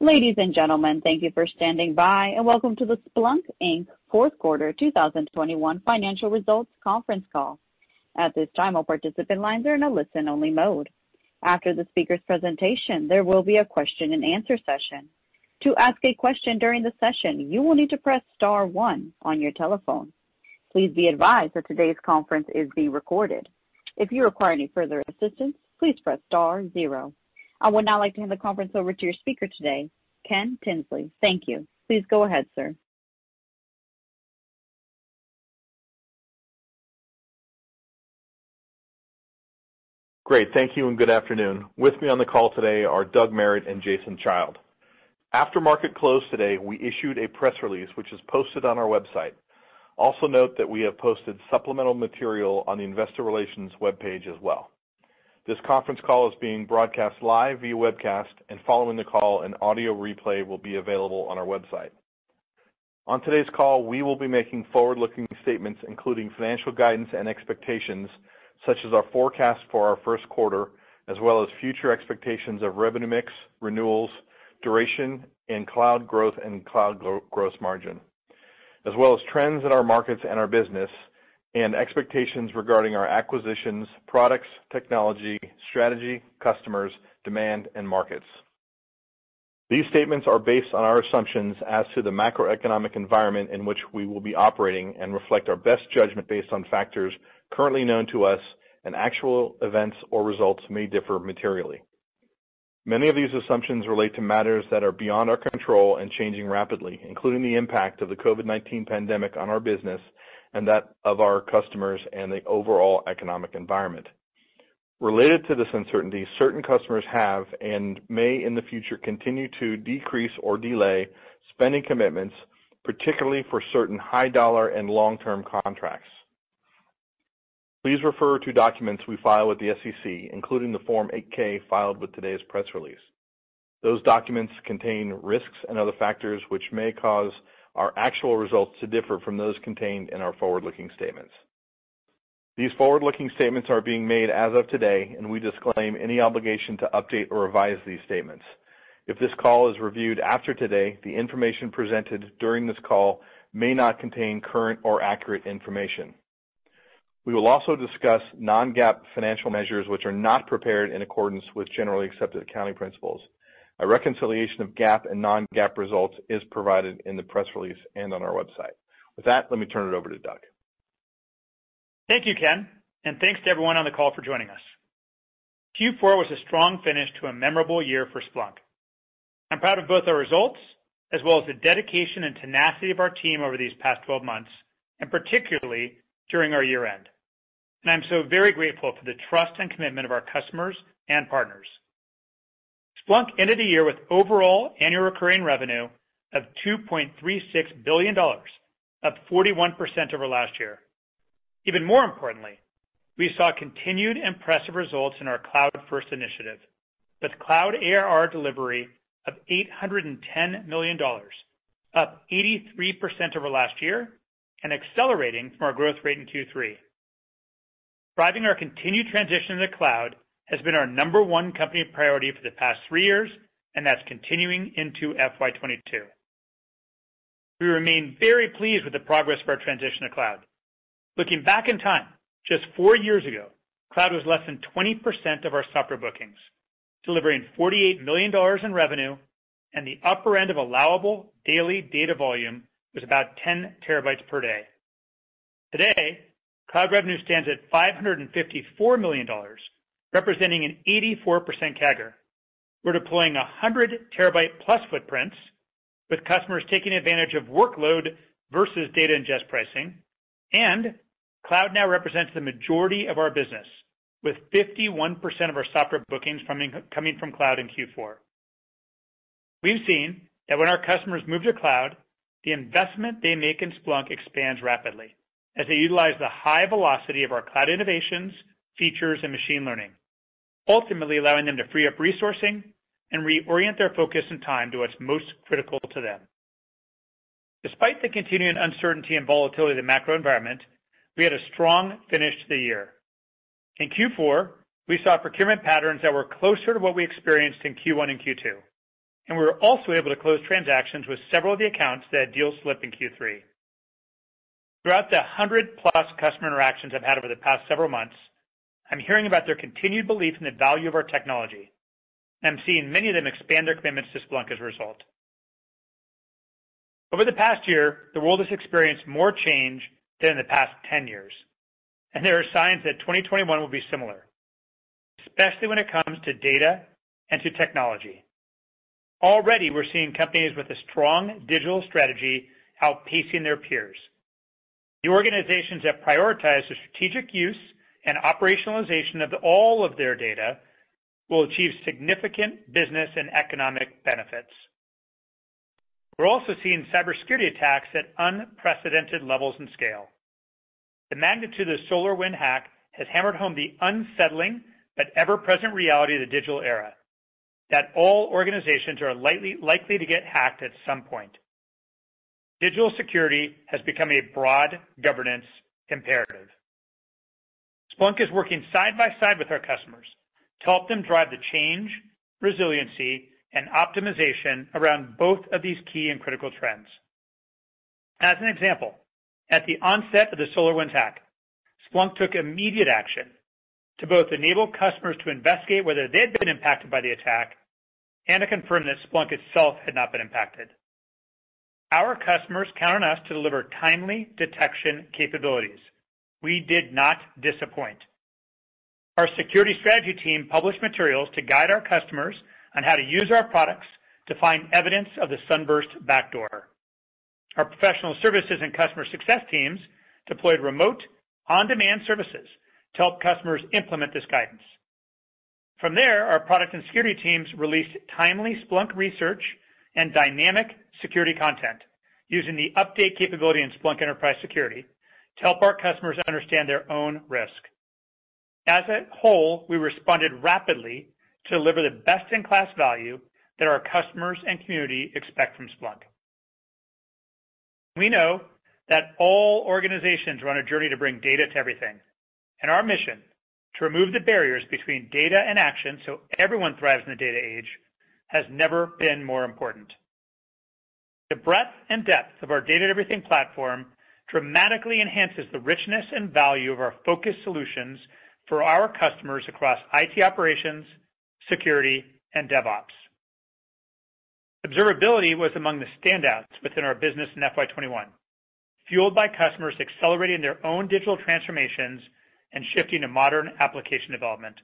Ladies and gentlemen, thank you for standing by and welcome to the Splunk Inc Fourth Quarter 2021 Financial Results Conference Call. I would now like to hand the conference over to your speaker today, Ken Tinsley. Thank you. Please go ahead, sir. Great. Thank you and good afternoon. With me on the call today are Doug Merritt and Jason Child. After market close today, we issued a press release which is posted on our website. Also note that we have posted supplemental material on the investor relations webpage as well. This conference call is being broadcast live via webcast, and following the call, an audio replay will be available on our website. On today's call, we will be making forward-looking statements, including financial guidance and expectations, such as our forecast for our first quarter, as well as future expectations of revenue mix, renewals, duration, and cloud growth and cloud gross margin, as well as trends in our markets and our business, and expectations regarding our acquisitions, products, technology, strategy, customers, demand, and markets. These statements are based on our assumptions as to the macroeconomic environment in which we will be operating and reflect our best judgment based on factors currently known to us, and actual events or results may differ materially. Many of these assumptions relate to matters that are beyond our control and changing rapidly, including the impact of the COVID-19 pandemic on our business and that of our customers and the overall economic environment. Related to this uncertainty, certain customers have, and may in the future, continue to decrease or delay spending commitments, particularly for certain high dollar and long-term contracts. Please refer to documents we file with the SEC, including the Form 8-K filed with today's press release. Those documents contain risks and other factors which may cause our actual results to differ from those contained in our forward-looking statements. These forward-looking statements are being made as of today, and we disclaim any obligation to update or revise these statements. If this call is reviewed after today, the information presented during this call may not contain current or accurate information. We will also discuss non-GAAP financial measures which are not prepared in accordance with generally accepted accounting principles. A reconciliation of GAAP and non-GAAP results is provided in the press release and on our website. With that, let me turn it over to Doug. Thank you, Ken, and thanks to everyone on the call for joining us. Q4 was a strong finish to a memorable year for Splunk. I'm proud of both our results, as well as the dedication and tenacity of our team over these past 12 months, and particularly during our year end. I'm so very grateful for the trust and commitment of our customers and partners. Splunk ended the year with overall annual recurring revenue of $2.36 billion, up 41% over last year. Even more importantly, we saw continued impressive results in our cloud first initiative with Cloud ARR delivery of $810 million, up 83% over last year, and accelerating from our growth rate in Q3. Driving our continued transition to the cloud has been our number one company priority for the past three years, and that's continuing into FY 2022. We remain very pleased with the progress of our transition to cloud. Looking back in time, just four years ago, cloud was less than 20% of our software bookings, delivering $48 million in revenue, and the upper end of allowable daily data volume was about 10 TB per day. Today, cloud revenue stands at $554 million, representing an 84% CAGR. We're deploying 100 TB plus footprints, with customers taking advantage of workload versus data ingest pricing. Cloud now represents the majority of our business, with 51% of our software bookings coming from cloud in Q4. We've seen that when our customers move to cloud, the investment they make in Splunk expands rapidly as they utilize the high velocity of our cloud innovations, features, and machine learning, ultimately allowing them to free up resourcing and reorient their focus and time to what's most critical to them. Despite the continuing uncertainty and volatility of the macro environment, we had a strong finish to the year. In Q4, we saw procurement patterns that were closer to what we experienced in Q1 and Q2, and we were also able to close transactions with several of the accounts that had deals slip in Q3. Throughout the 100+ customer interactions I've had over the past several months, I'm hearing about their continued belief in the value of our technology, and I'm seeing many of them expand their commitments to Splunk as a result. Over the past year, the world has experienced more change than in the past 10 years, and there are signs that 2021 will be similar, especially when it comes to data and to technology. Already, we're seeing companies with a strong digital strategy outpacing their peers. The organizations that prioritize the strategic use and operationalization of all of their data will achieve significant business and economic benefits. We're also seeing cybersecurity attacks at unprecedented levels and scale. The magnitude of the SolarWinds hack has hammered home the unsettling but ever-present reality of the digital era, that all organizations are likely to get hacked at some point. Digital security has become a broad governance imperative. Splunk is working side by side with our customers to help them drive the change, resiliency, and optimization around both of these key and critical trends. As an example, at the onset of the SolarWinds hack, Splunk took immediate action to both enable customers to investigate whether they had been impacted by the attack and to confirm that Splunk itself had not been impacted. Our customers count on us to deliver timely detection capabilities. We did not disappoint. Our security strategy team published materials to guide our customers on how to use our products to find evidence of the Sunburst backdoor. Our professional services and customer success teams deployed remote on-demand services to help customers implement this guidance. From there, our product and security teams released timely Splunk research and dynamic security content using the update capability in Splunk Enterprise Security to help our customers understand their own risk. As a whole, we responded rapidly to deliver the best-in-class value that our customers and community expect from Splunk. We know that all organizations are on a journey to bring data to everything, and our mission to remove the barriers between data and action so everyone thrives in the data age has never been more important. The breadth and depth of our data-to-everything platform dramatically enhances the richness and value of our focus solutions for our customers across IT operations, security, and DevOps. Observability was among the standouts within our business in FY 2021, fueled by customers accelerating their own digital transformations and shifting to modern application development.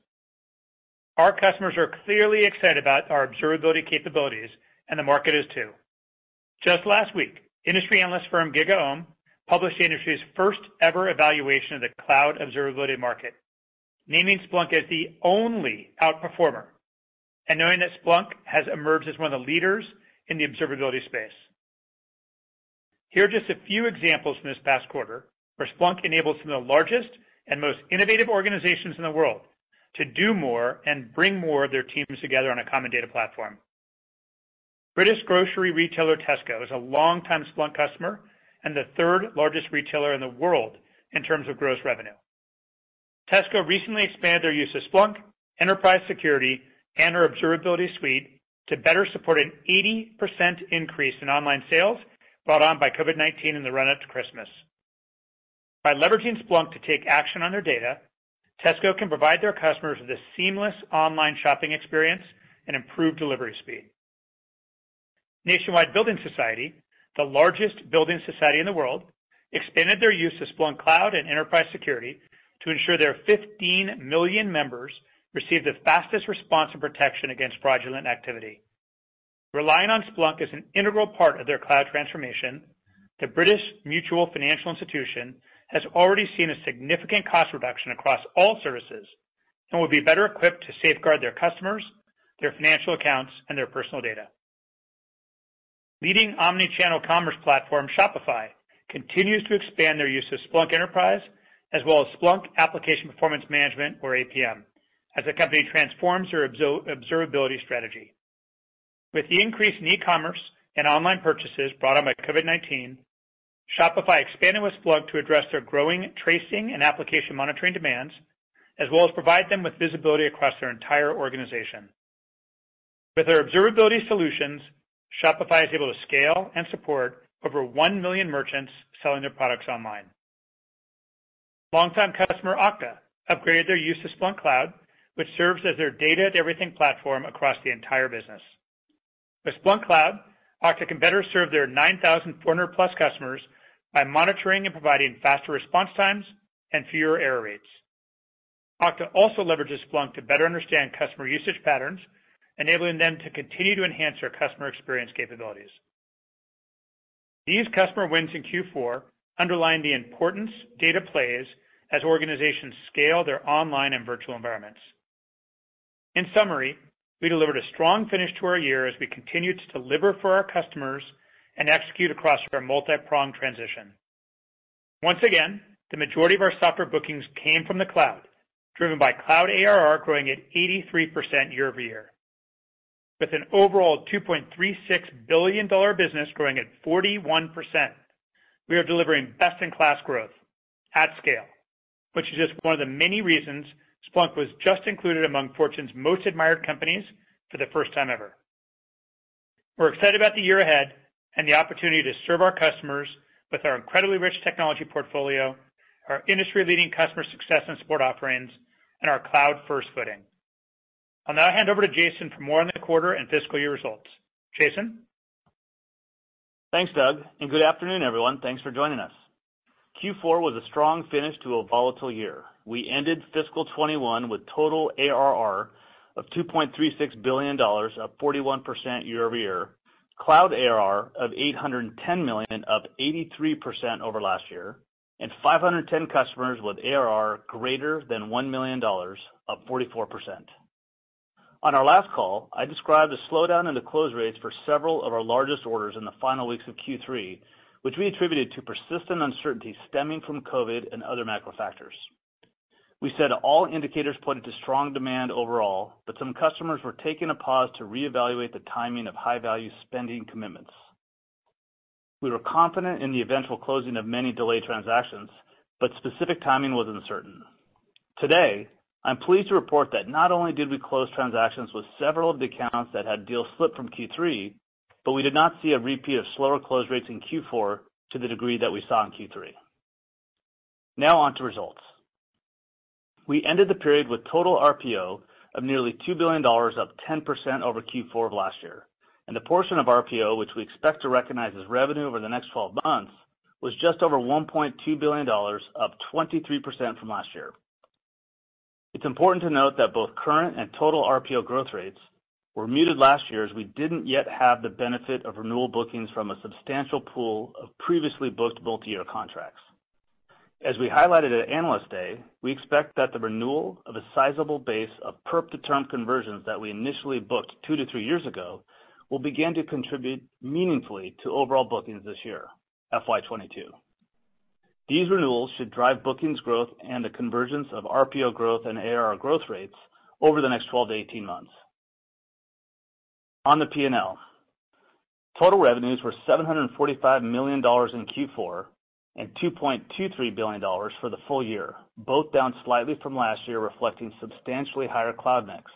Our customers are clearly excited about our observability capabilities, and the market is too. Just last week, industry analyst firm GigaOm published the industry's first ever evaluation of the cloud observability market, naming Splunk as the only outperformer and noting that Splunk has emerged as one of the leaders in the observability space. Here are just a few examples from this past quarter where Splunk enables some of the largest and most innovative organizations in the world to do more and bring more of their teams together on a common data platform. British grocery retailer Tesco is a longtime Splunk customer and the third largest retailer in the world in terms of gross revenue. Tesco recently expanded their use of Splunk Enterprise Security and our Observability Suite to better support an 80% increase in online sales brought on by COVID-19 in the run-up to Christmas. By leveraging Splunk to take action on their data, Tesco can provide their customers with a seamless online shopping experience and improved delivery speed. Nationwide Building Society, the largest building society in the world, expanded their use of Splunk Cloud and Enterprise Security to ensure their 15 million members receive the fastest response and protection against fraudulent activity. Relying on Splunk as an integral part of their cloud transformation, the British mutual financial institution has already seen a significant cost reduction across all services and will be better equipped to safeguard their customers, their financial accounts, and their personal data. Leading omni-channel commerce platform Shopify continues to expand their use of Splunk Enterprise as well as Splunk Application Performance Management or APM as the company transforms their observability strategy. With the increase in e-commerce and online purchases brought on by COVID-19, Shopify expanded with Splunk to address their growing tracing and application monitoring demands, as well as provide them with visibility across their entire organization. With our observability solutions, Shopify is able to scale and support over 1 million merchants selling their products online. Longtime customer Okta upgraded their use to Splunk Cloud, which serves as their data-to-everything platform across the entire business. With Splunk Cloud, Okta can better serve their 9,400+ customers by monitoring and providing faster response times and fewer error rates. Okta also leverages Splunk to better understand customer usage patterns, enabling them to continue to enhance their customer experience capabilities. These customer wins in Q4 underline the importance data plays as organizations scale their online and virtual environments. In summary, we delivered a strong finish to our year as we continue to deliver for our customers and execute across our multipronged transition. Once again, the majority of our software bookings came from the cloud, driven by Cloud ARR growing at 83% year-over-year. With an overall $2.36 billion business growing at 41%, we are delivering best-in-class growth at scale, which is just one of the many reasons Splunk was just included among Fortune's most admired companies for the first time ever. We're excited about the year ahead and the opportunity to serve our customers with our incredibly rich technology portfolio, our industry-leading customer success and support offerings, and our cloud-first footing. I'll now hand over to Jason for more on the quarter and fiscal year results. Jason? Thanks, Doug. Good afternoon, everyone. Thanks for joining us. Q4 was a strong finish to a volatile year. We ended fiscal 2021 with total ARR of $2.36 billion, up 41% year-over-year, Cloud ARR of $810 million, up 83% over last year, and 510 customers with ARR greater than $1 million, up 44%. On our last call, I described a slowdown in the close rates for several of our largest orders in the final weeks of Q3, which we attributed to persistent uncertainty stemming from COVID and other macro factors. We said all indicators pointed to strong demand overall. Some customers were taking a pause to reevaluate the timing of high-value spending commitments. We were confident in the eventual closing of many delayed transactions. Specific timing was uncertain. Today, I'm pleased to report that not only did we close transactions with several of the accounts that had deals slip from Q3, but we did not see a repeat of slower close rates in Q4 to the degree that we saw in Q3. Now on to results. We ended the period with total RPO of nearly $2 billion, up 10% over Q4 of last year, and the portion of RPO, which we expect to recognize as revenue over the next 12 months, was just over $1.2 billion, up 23% from last year. It's important to note that both current and total RPO growth rates were muted last year, as we didn't yet have the benefit of renewal bookings from a substantial pool of previously booked multi-year contracts. As we highlighted at Analyst Day, we expect that the renewal of a sizable base of perp to term conversions that we initially booked two to three years ago will begin to contribute meaningfully to overall bookings this year, FY 2022. These renewals should drive bookings growth and the convergence of RPO growth and ARR growth rates over the next 12 to 18 months. On the P&L, total revenues were $745 million in Q4, and $2.23 billion for the full year, both down slightly from last year, reflecting substantially higher cloud mix,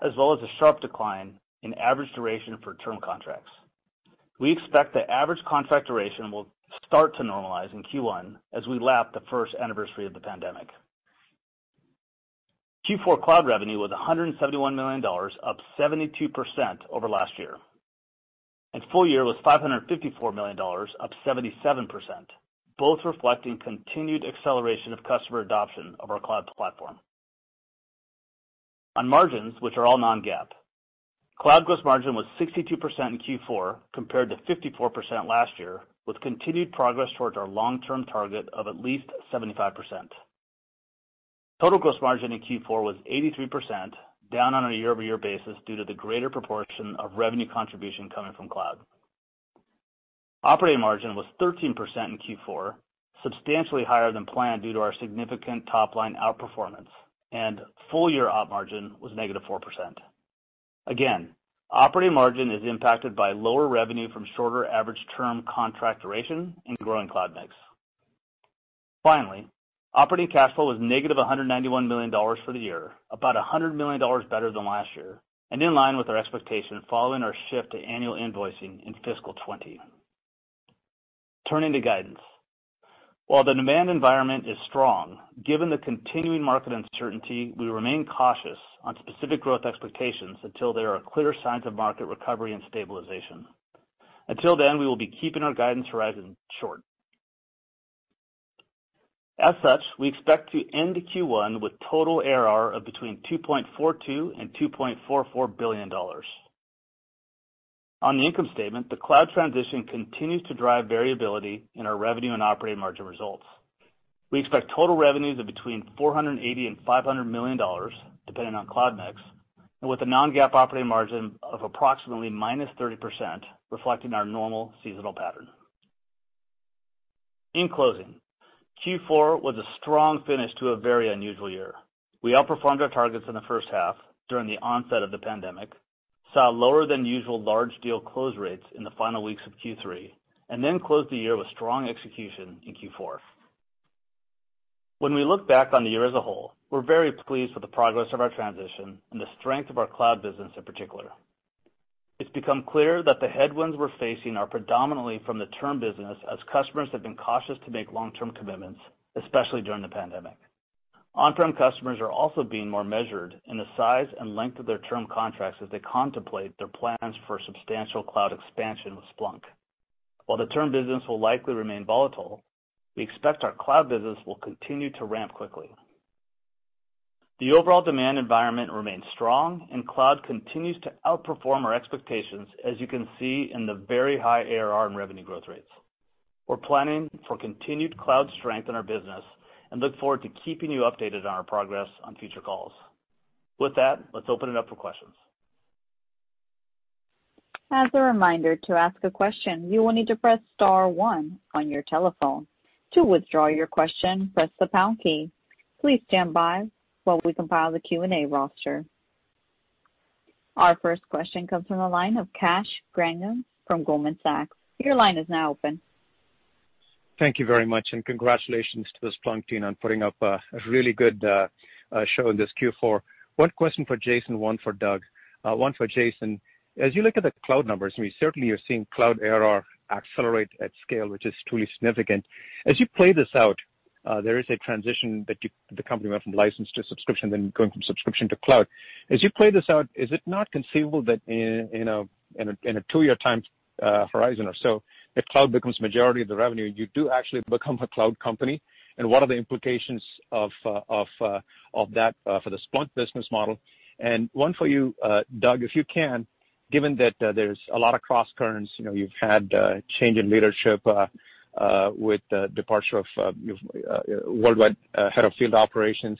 as well as a sharp decline in average duration for term contracts. We expect that average contract duration will start to normalize in Q1 as we lap the first anniversary of the pandemic. Q4 cloud revenue was $171 million, up 72% over last year, and full year was $554 million, up 77%, both reflecting continued acceleration of customer adoption of our cloud platform. On margins, which are all non-GAAP, cloud gross margin was 62% in Q4 compared to 54% last year, with continued progress towards our long-term target of at least 75%. Total gross margin in Q4 was 83%, down on a year-over-year basis due to the greater proportion of revenue contribution coming from cloud. Operating margin was 13% in Q4, substantially higher than planned due to our significant top-line outperformance, and full year op margin was -4%. Again, operating margin is impacted by lower revenue from shorter average term contract duration and growing cloud mix. Finally, operating cash flow was -$191 million for the year, about $100 million better than last year, and in line with our expectation following our shift to annual invoicing in fiscal 20. Turning to guidance. While the demand environment is strong, given the continuing market uncertainty, we remain cautious on specific growth expectations until there are clear signs of market recovery and stabilization. Until then, we will be keeping our guidance horizon short. As such, we expect to end Q1 with total ARR of between $2.42 billion and $2.44 billion. On the income statement, the cloud transition continues to drive variability in our revenue and operating margin results. We expect total revenues of between $480 million and $500 million, depending on cloud mix, and with a non-GAAP operating margin of approximately -30%, reflecting our normal seasonal pattern. In closing, Q4 was a strong finish to a very unusual year. We outperformed our targets in the first half during the onset of the pandemic, saw lower than usual large deal close rates in the final weeks of Q3, and then closed the year with strong execution in Q4. When we look back on the year as a whole, we're very pleased with the progress of our transition and the strength of our cloud business in particular. It's become clear that the headwinds we're facing are predominantly from the term business, as customers have been cautious to make long-term commitments, especially during the pandemic. On-prem customers are also being more measured in the size and length of their term contracts as they contemplate their plans for substantial cloud expansion with Splunk. While the term business will likely remain volatile, we expect our cloud business will continue to ramp quickly. The overall demand environment remains strong. Cloud continues to outperform our expectations, as you can see in the very high ARR and revenue growth rates. We're planning for continued cloud strength in our business and look forward to keeping you updated on our progress on future calls. With that, let's open it up for questions. As a reminder, to ask a question, you will need to press star one on your telephone. To withdraw your question, press the pound key. Please stand by while we compile the Q&A roster. Our first question comes from the line of Kash Rangan from Goldman Sachs. Your line is now open. Thank you very much. Congratulations to the Splunk team on putting up a really good show in this Q4. One question for Jason, one for Doug. One for Jason. As you look at the cloud numbers, I mean, certainly you're seeing Cloud ARR accelerate at scale, which is truly significant. As you play this out, there is a transition that the company went from license to subscription, then going from subscription to cloud. As you play this out, is it not conceivable that in a two-year time horizon or so, if cloud becomes majority of the revenue, you do actually become a cloud company? What are the implications of that for the Splunk business model? One for you, Doug, if you can, given that there's a lot of crosscurrents, you've had change in leadership with the departure of your worldwide head of field operations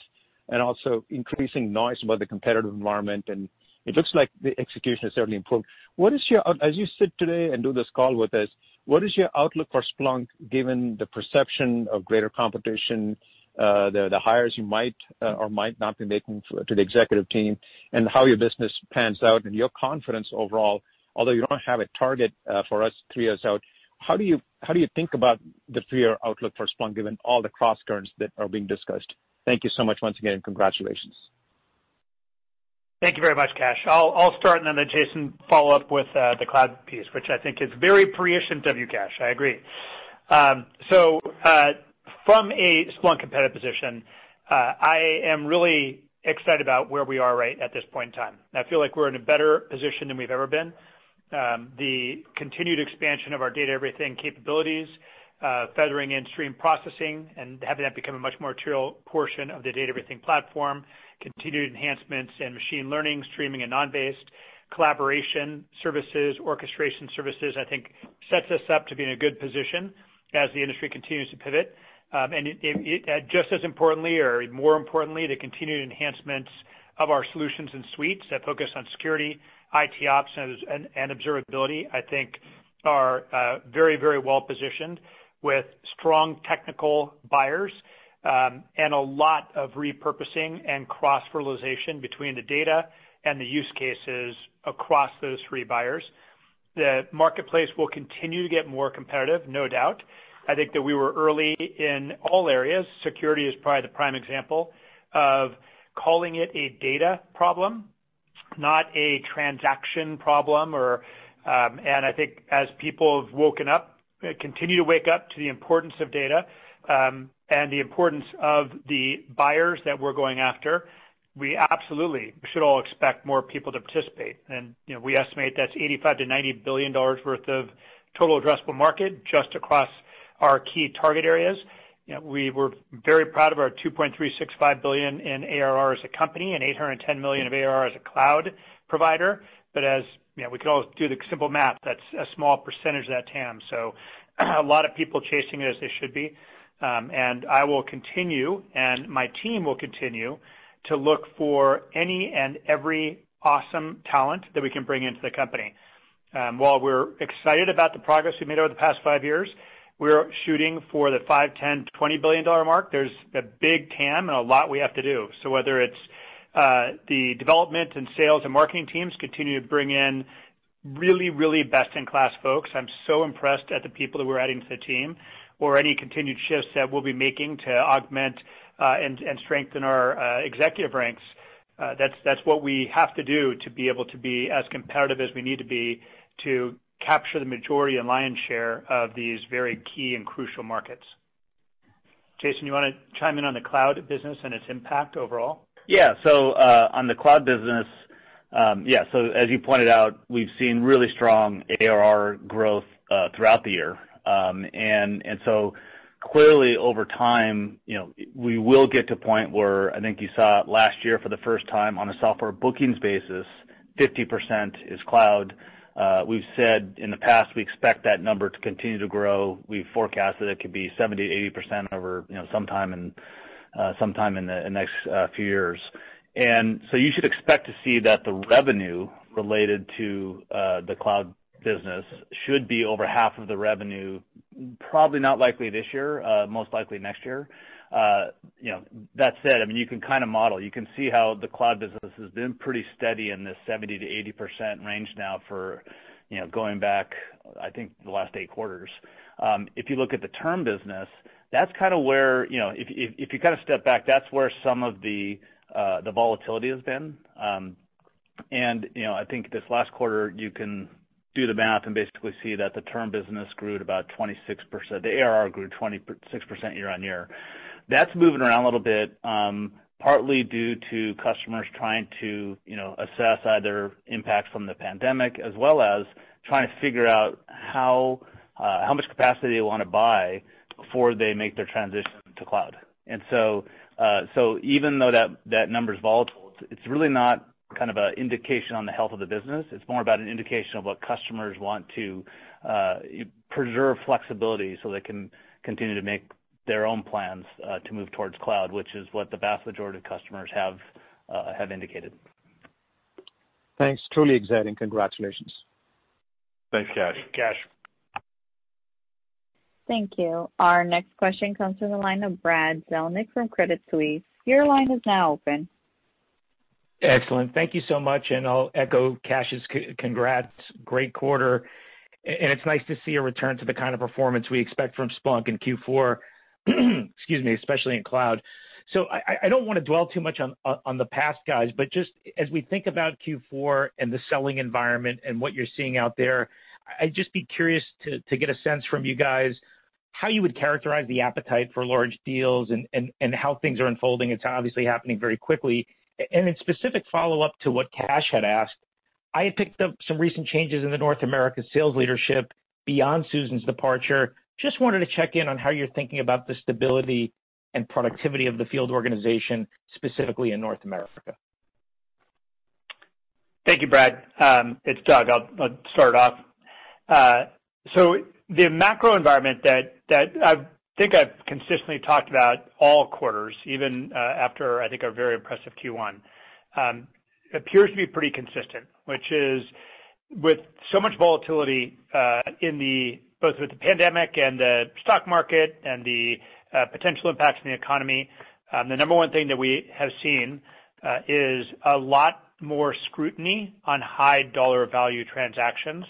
and also increasing noise about the competitive environment, and it looks like the execution has certainly improved. As you sit today and do this call with us, what is your outlook for Splunk given the perception of greater competition, the hires you might or might not be making to the executive team, and how your business pans out, and your confidence overall, although you don't have a target for us three years out, how do you think about the three-year outlook for Splunk given all the crosscurrents that are being discussed? Thank you so much once again. Congratulations. Thank you very much, Kash. I'll start, and then Jason follow up with the cloud piece, which I think is very prescient of you, Kash. I agree. From a Splunk competitive position, I am really excited about where we are right at this point in time. I feel like we're in a better position than we've ever been. The continued expansion of our data everything capabilities, feathering in stream processing, and having that become a much more material portion of the Data-to-Everything Platform, continued enhancements in machine learning, streaming and non-based collaboration services, orchestration services, I think sets us up to be in a good position as the industry continues to pivot. Just as importantly or more importantly, the continued enhancements of our solutions and suites that focus on security, IT ops, and observability, I think are very well-positioned with strong technical buyers, and a lot of repurposing and cross-fertilization between the data and the use cases across those three buyers. The marketplace will continue to get more competitive, no doubt. I think that we were early in all areas. Security is probably the prime example of calling it a data problem, not a transaction problem. I think as people have woken up, continue to wake up to the importance of data, and the importance of the buyers that we're going after, we absolutely should all expect more people to participate. We estimate that's $85 billion-$90 billion worth of total addressable market just across our key target areas. We were very proud of our $2.365 billion in ARR as a company, and $810 million of ARR as a cloud provider. But we could all do the simple math. That's a small percentage of that TAM. A lot of people chasing it, as they should be. I will continue, and my team will continue to look for any and every awesome talent that we can bring into the company. While we're excited about the progress we've made over the past five years, we're shooting for the $5 billion, $10 billion, $20 billion mark. There's a big TAM and a lot we have to do. Whether it's the development and sales and marketing teams continue to bring in really best-in-class folks. I'm so impressed at the people that we're adding to the team, or any continued shifts that we'll be making to augment and strengthen our executive ranks. That's what we have to do to be able to be as competitive as we need to be to capture the majority and lion's share of these very key and crucial markets. Jason, you want to chime in on the cloud business and its impact overall? On the cloud business, as you pointed out, we've seen really strong ARR growth throughout the year. Clearly over time, we will get to a point where I think you saw it last year for the first time on a software bookings basis, 50% is cloud. We've said in the past, we expect that number to continue to grow. We forecast that it could be 70%-80% over sometime in the next few years. You should expect to see that the revenue related to the cloud business should be over half of the revenue, probably not likely this year, most likely next year. That said, you can kind of model. You can see how the cloud business has been pretty steady in the 70%-80% range now for going back, I think, the last eight quarters. If you look at the term business, if you kind of step back, that's where some of the volatility has been. I think this last quarter, you can do the math and basically see that the term business grew at about 26%. The ARR grew 26% year on year. That's moving around a little bit, partly due to customers trying to assess either impacts from the pandemic as well as trying to figure out how much capacity they want to buy before they make their transition to cloud. Even though that number's volatile, it's really not kind of an indication on the health of the business. It's more about an indication of what customers want to preserve flexibility so they can continue to make their own plans to move towards cloud, which is what the vast majority of customers have indicated. Thanks. Truly exciting. Congratulations. Thanks, Kash. Thanks, Kash. Thank you. Our next question comes from the line of Brad Zelnick from Credit Suisse. Your line is now open. Excellent. Thank you so much. I'll echo Kash's congrats. Great quarter. It's nice to see a return to the kind of performance we expect from Splunk in Q4, excuse me, especially in cloud. I don't want to dwell too much on the past, guys, but just as we think about Q4 and the selling environment and what you're seeing out there, I'd just be curious to get a sense from you guys how you would characterize the appetite for large deals and how things are unfolding. It's obviously happening very quickly. A specific follow-up to what Kash had asked, I had picked up some recent changes in the North America sales leadership beyond Susan's departure. Just wanted to check in on how you're thinking about the stability and productivity of the field organization, specifically in North America. Thank you, Brad. It's Doug. I'll start off. The macro environment that I think I've consistently talked about all quarters, even after I think our very impressive Q1, appears to be pretty consistent, which is with so much volatility both with the pandemic and the stock market and the potential impacts on the economy, the number one thing that we have seen is a lot more scrutiny on high dollar value transactions.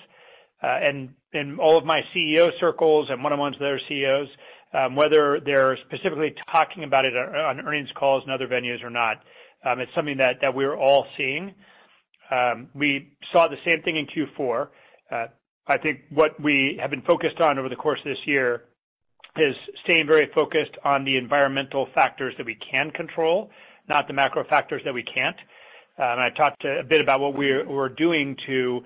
In all of my CEO circles and one-on-ones with other CEOs, whether they're specifically talking about it on earnings calls and other venues or not, it's something that we're all seeing. We saw the same thing in Q4. I think what we have been focused on over the course of this year is staying very focused on the environmental factors that we can control, not the macro factors that we can't. I talked a bit about what we're doing to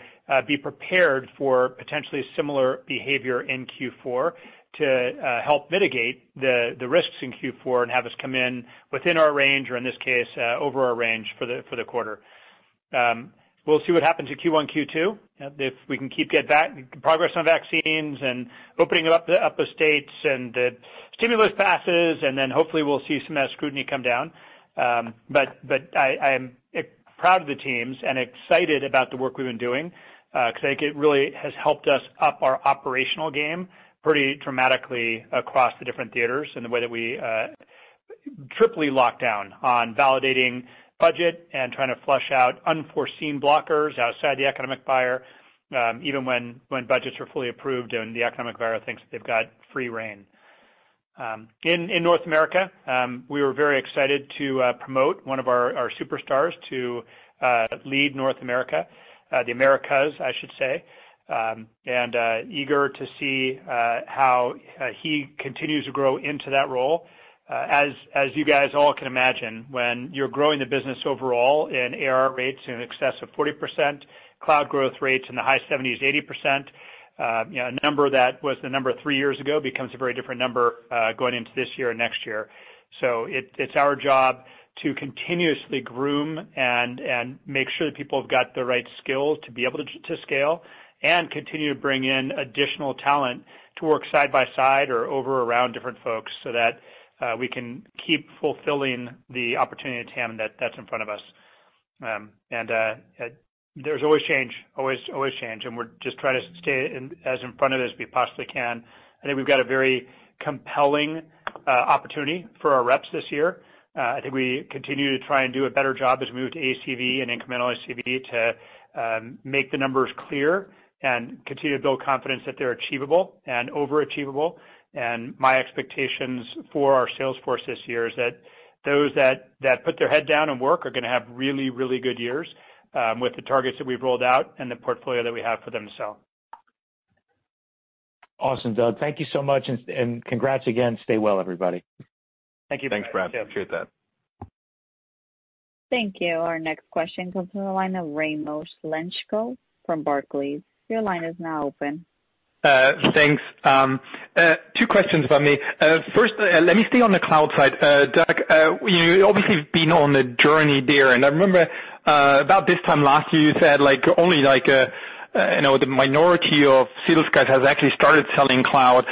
be prepared for potentially similar behavior in Q4 to help mitigate the risks in Q4 and have us come in within our range or in this case, over our range for the quarter. We'll see what happens in Q1, Q2. If we can keep progress on vaccines and opening up the states and the stimulus passes, and then hopefully we'll see some of that scrutiny come down. I'm proud of the teams and excited about the work we've been doing, because I think it really has helped us up our operational game pretty dramatically across the different theaters in the way that we triply lock down on validating budget and trying to flush out unforeseen blockers outside the economic buyer, even when budgets are fully approved and the economic buyer thinks they've got free rein. In North America, we were very excited to promote one of our superstars to lead North America, the Americas, I should say, and eager to see how he continues to grow into that role. As you guys all can imagine, when you're growing the business overall in ARR rates in excess of 40%, Cloud growth rates in the high 70%, 80%, a number that was the number three years ago becomes a very different number, going into this year and next year. It's our job to continuously groom and make sure that people have got the right skills to be able to scale, and continue to bring in additional talent to work side by side or over around different folks so that we can keep fulfilling the opportunity TAM that's in front of us. There's always change. Always change. We're just trying to stay as in front of it as we possibly can. I think we've got a very compelling opportunity for our reps this year. I think we continue to try and do a better job as we move to ACV and incremental ACV to make the numbers clear and continue to build confidence that they're achievable and over achievable. My expectations for our sales force this year is that those that put their head down and work are going to have really, really good years, with the targets that we've rolled out and the portfolio that we have for them to sell. Awesome, Doug. Thank you so much and congrats again. Stay well, everybody. Thank you. Thanks, Brad. Appreciate that. Thank you. Our next question comes from the line of Raimo Lenschow from Barclays. Your line is now open. Thanks. Two questions from me. First, let me stay on the cloud side. Doug, you obviously have been on a journey there, and I remember about this time last year you said only the minority of sales guys have actually started selling cloud.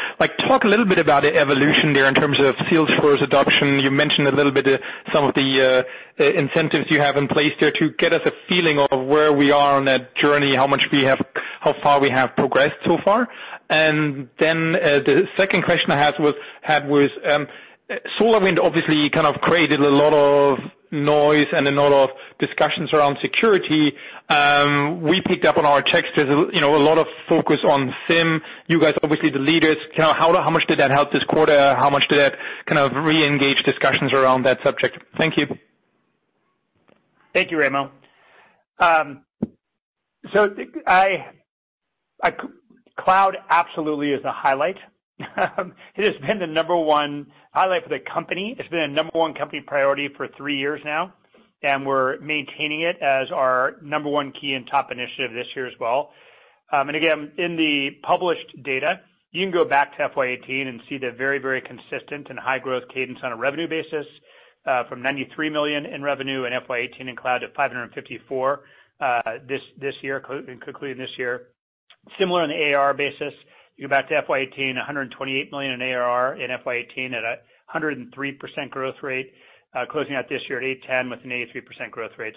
Talk a little bit about the evolution there in terms of sales force adoption. You mentioned a little bit some of the incentives you have in place there to get us a feeling of where we are on that journey, how far we have progressed so far. The second question I had was, SolarWinds obviously kind of created a lot of noise and a lot of discussions around security. We picked up on our checks. There's a lot of focus on SIEM. You guys are obviously the leaders. How much did that help this quarter? How much did that kind of reengage discussions around that subject? Thank you. Thank you, Raimo. Cloud absolutely is a highlight. It has been the number one highlight for the company. It's been a number one company priority for three years now, and we're maintaining it as our number one key and top initiative this year as well. Again, in the published data, you can go back to FY 2018 and see the very, very consistent and high growth cadence on a revenue basis, from $93 million in revenue in FY 2018 in cloud to $554 million this year, including this year. Similar on the ARR basis, you go back to FY 2018, $128 million in ARR in FY 2018 at 103% growth rate, closing out this year at $810 million with an 83% growth rate.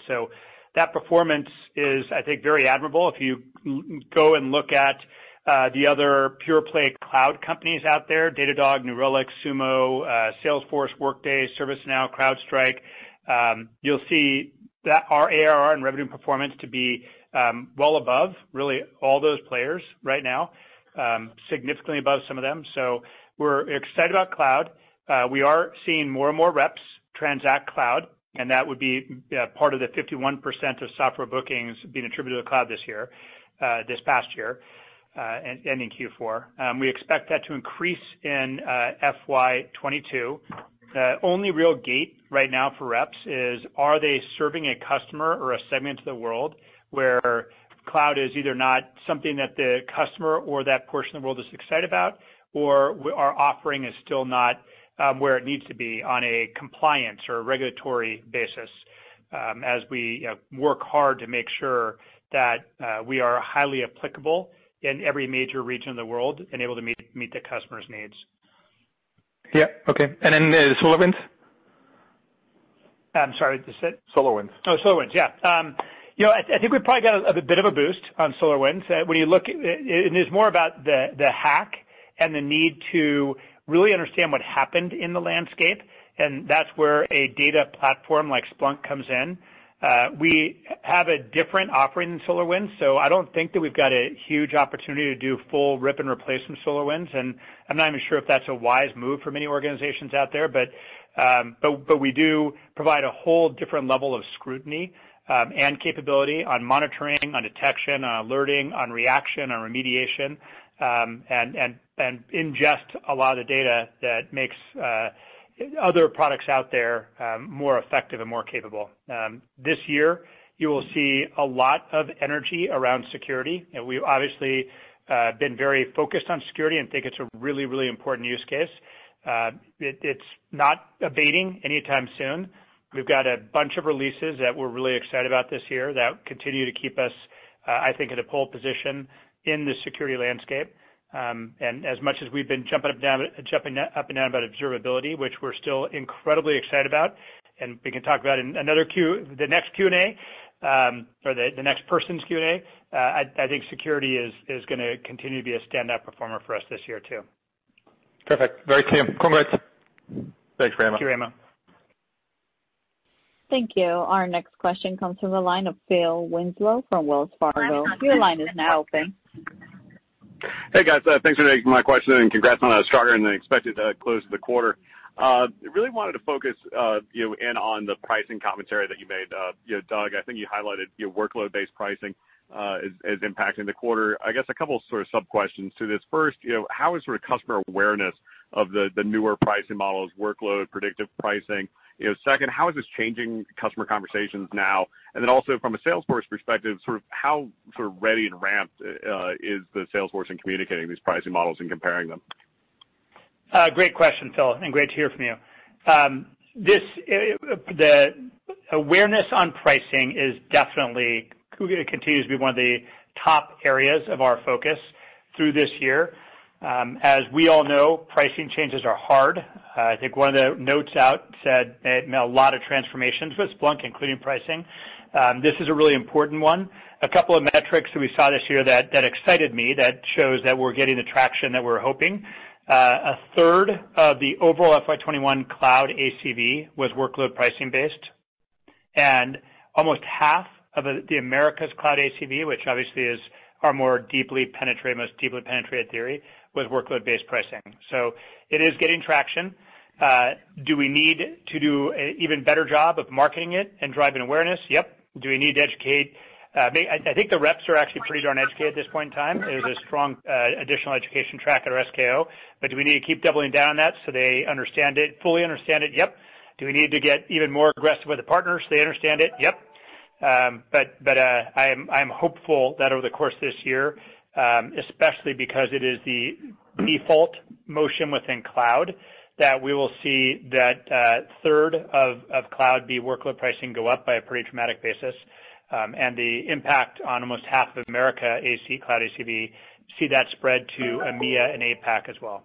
That performance is, I think, very admirable. If you go and look at the other pure play cloud companies out there, Datadog, New Relic, Sumo, Salesforce, Workday, ServiceNow, CrowdStrike, you'll see that our ARR and revenue performance to be well above really all those players right now, significantly above some of them. We're excited about cloud. We are seeing more and more reps transact cloud, and that would be part of the 51% of software bookings being attributed to cloud this past year, ending Q4. We expect that to increase in FY 2022. The only real gate right now for reps is, are they serving a customer or a segment of the world where cloud is either not something that the customer or that portion of the world is excited about, or our offering is still not where it needs to be on a compliance or a regulatory basis as we work hard to make sure that we are highly applicable in every major region of the world and able to meet the customer's needs. Yeah. Okay. SolarWinds? I'm sorry, what's that? SolarWinds. Oh, SolarWinds. Yeah. I think we probably got a bit of a boost on SolarWinds. It's more about the hack and the need to really understand what happened in the landscape, and that's where a data platform like Splunk comes in. We have a different offering than SolarWinds, I don't think that we've got a huge opportunity to do full rip and replace from SolarWinds, I'm not even sure if that's a wise move for many organizations out there. We do provide a whole different level of scrutiny and capability on monitoring, on detection, on alerting, on reaction, on remediation, and ingest a lot of the data that makes other products out there more effective and more capable. This year, you will see a lot of energy around security. We've obviously been very focused on security and think it's a really important use case. It's not abating anytime soon. We've got a bunch of releases that we're really excited about this year that continue to keep us, I think, at a pole position in the security landscape. As much as we've been jumping up and down about observability, which we're still incredibly excited about, and we can talk about in the next Q&A, or the next person's Q&A, I think security is going to continue to be a standout performer for us this year, too. Perfect. Very clear. Congrats. Thanks very much. Thank you, Raimo. Thank you. Our next question comes from the line of Phil Winslow from Wells Fargo. Your line is now open. Hey, guys. Thanks for taking my question. Congrats on a stronger than expected close to the quarter. I really wanted to focus in on the pricing commentary that you made. Doug, I think you highlighted your workload-based pricing is impacting the quarter. I guess a couple of sub-questions to this. First, how is customer awareness of the newer pricing models, workload, predictive pricing? Second, how is this changing customer conversations now? Also from a sales force perspective, how ready and ramped is the sales force in communicating these pricing models and comparing them? Great question, Phil, and great to hear from you. The awareness on pricing continues to be one of the top areas of our focus through this year. We all know, pricing changes are hard. I think one of the notes out said a lot of transformations with Splunk, including pricing. This is a really important one. A couple of metrics that we saw this year that excited me, that shows that we're getting the traction that we're hoping. A third of the overall FY 2021 cloud ACV was workload pricing based, and almost half of the Americas cloud ACV, which obviously is our most deeply penetrated territory, was workload-based pricing. It is getting traction. Do we need to do an even better job of marketing it and driving awareness? Yep. Do we need to educate? I think the reps are actually pretty darn educated at this point in time. There's a strong additional education track at our SKO. Do we need to keep doubling down on that so they fully understand it? Yep. Do we need to get even more aggressive with the partners so they understand it? Yep. I am hopeful that over the course of this year, especially because it is the default motion within cloud, that we will see that a third of cloud be workload pricing go up by a pretty dramatic basis. The impact on almost half of America Cloud ACV, see that spread to EMEA and APAC as well.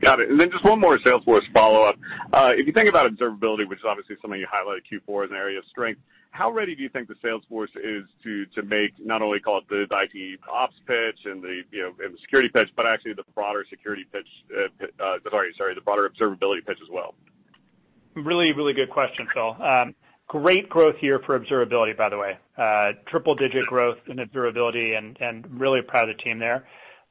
Got it. Just one more Salesforce follow-up. If you think about observability, which is obviously something you highlighted in Q4 as an area of strength, how ready do you think the Salesforce is to make not only call it the IT ops pitch and the security pitch, but actually the broader observability pitch as well? Really good question, Phil. Great growth year for observability, by the way. Triple-digit growth in observability, really proud of the team there.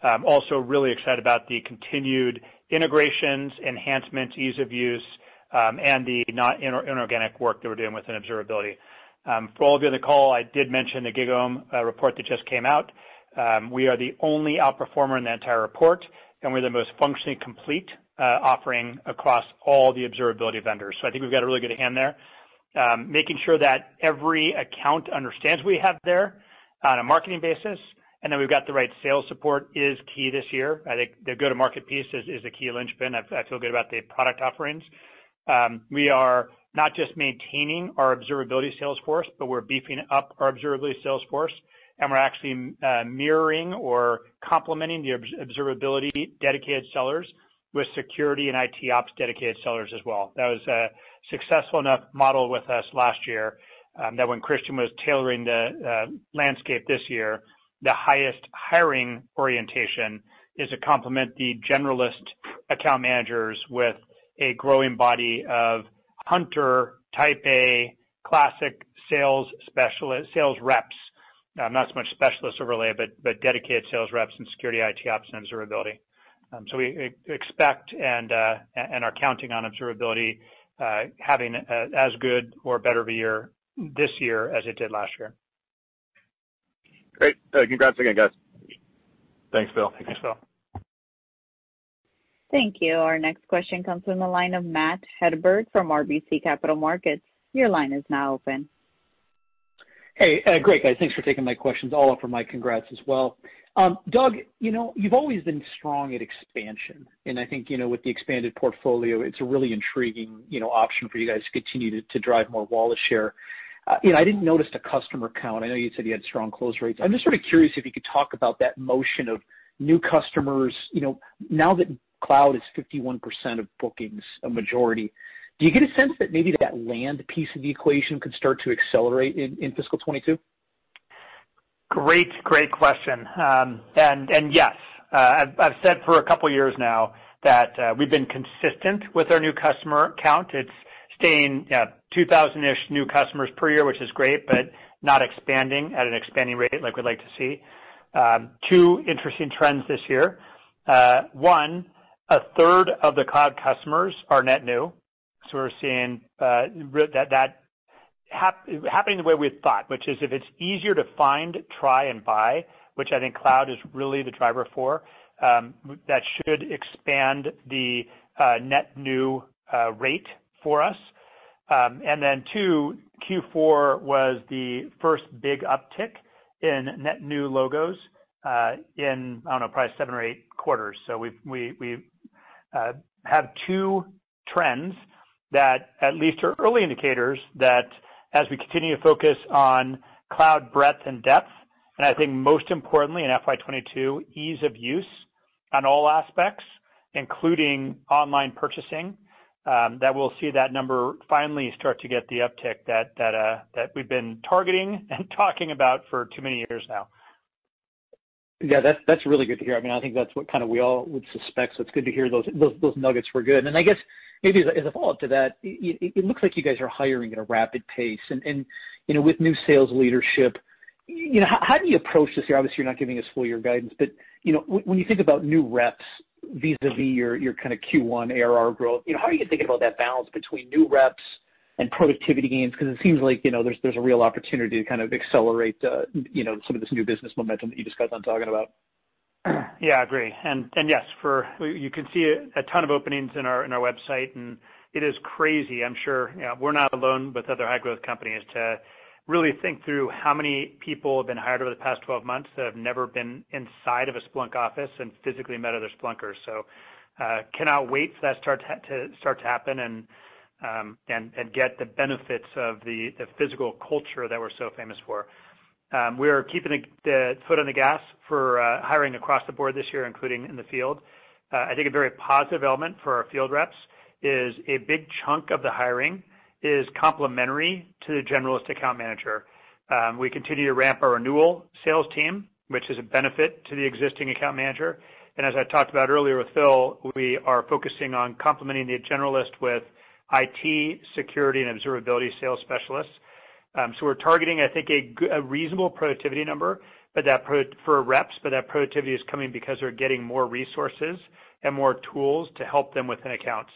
Really excited about the continued integrations, enhancements, ease of use, and the non-inorganic work that we're doing within observability. For all of you on the call, I did mention the GigaOm report that just came out. We are the only outperformer in the entire report, we're the most functionally complete offering across all the observability vendors. I think we've got a really good hand there. Making sure that every account understands what we have there on a marketing basis, that we've got the right sales support is key this year. I think the go-to-market piece is a key linchpin. I feel good about the product offerings. We are not just maintaining our observability sales force, but we're beefing up our observability sales force, and we're actually mirroring or complementing the observability dedicated sellers with security and IT ops dedicated sellers as well. That was a successful enough model with us last year that when Christian was tailoring the landscape this year, the highest hiring orientation is to complement the generalist account managers with a growing body of hunter, type A, classic sales reps. Not so much specialists overlay, but dedicated sales reps in security, IT ops, and observability. We expect and are counting on observability having as good or better of a year this year as it did last year. Great. Congrats again, guys. Thanks, Phil. Thanks, Phil. Thank you. Our next question comes from the line of Matt Hedberg from RBC Capital Markets. Your line is now open. Hey. Great, guys. Thanks for taking my questions. All up for my congrats as well. Doug, you've always been strong at expansion, and I think, with the expanded portfolio, it's a really intriguing option for you guys to continue to drive more wallet share. I didn't notice the customer count. I know you said you had strong close rates. I'm just sort of curious if you could talk about that motion of new customers. Now that cloud is 51% of bookings, a majority, do you get a sense that maybe that land piece of the equation could start to accelerate in fiscal 2022? Great question. Yes, I've said for a couple of years now that we've been consistent with our new customer count. It's staying at 2,000-ish new customers per year, which is great, but not expanding at an expanding rate like we'd like to see. Two interesting trends this year. One, a third of the cloud customers are net new. We're seeing that happening the way we had thought, which is if it's easier to find, try, and buy, which I think cloud is really the driver for, that should expand the net new rate for us. Two, Q4 was the first big uptick in net new logos in, I don't know, probably seven or eight quarters. We have two trends that at least are early indicators that as we continue to focus on cloud breadth and depth, and I think most importantly in FY 2022, ease of use on all aspects, including online purchasing, that we'll see that number finally start to get the uptick that we've been targeting and talking about for too many years now. Yeah, that's really good to hear. I think that's what we all would suspect, so it's good to hear those nuggets were good. I guess maybe as a follow-up to that, it looks like you guys are hiring at a rapid pace. With new sales leadership, how do you approach this? Obviously, you're not giving us full year guidance, but when you think about new reps vis-a-vis your Q1 ARR growth, how are you thinking about that balance between new reps and productivity gains? It seems like there's a real opportunity to accelerate some of this new business momentum that you just got done talking about. Yeah, I agree. Yes, you can see a ton of openings in our website, and it is crazy. I'm sure we're not alone with other high-growth companies to really think through how many people have been hired over the past 12 months that have never been inside of a Splunk office and physically met other Splunkers. Cannot wait for that to start to happen and get the benefits of the physical culture that we're so famous for. We're keeping the foot on the gas for hiring across the board this year, including in the field. I think a very positive element for our field reps is a big chunk of the hiring is complementary to the generalist account manager. We continue to ramp our renewal sales team, which is a benefit to the existing account manager. As I talked about earlier with Phil, we are focusing on complementing the generalist with IT security and observability sales specialists. We're targeting, I think, a reasonable productivity number for reps, but that productivity is coming because they're getting more resources and more tools to help them within accounts.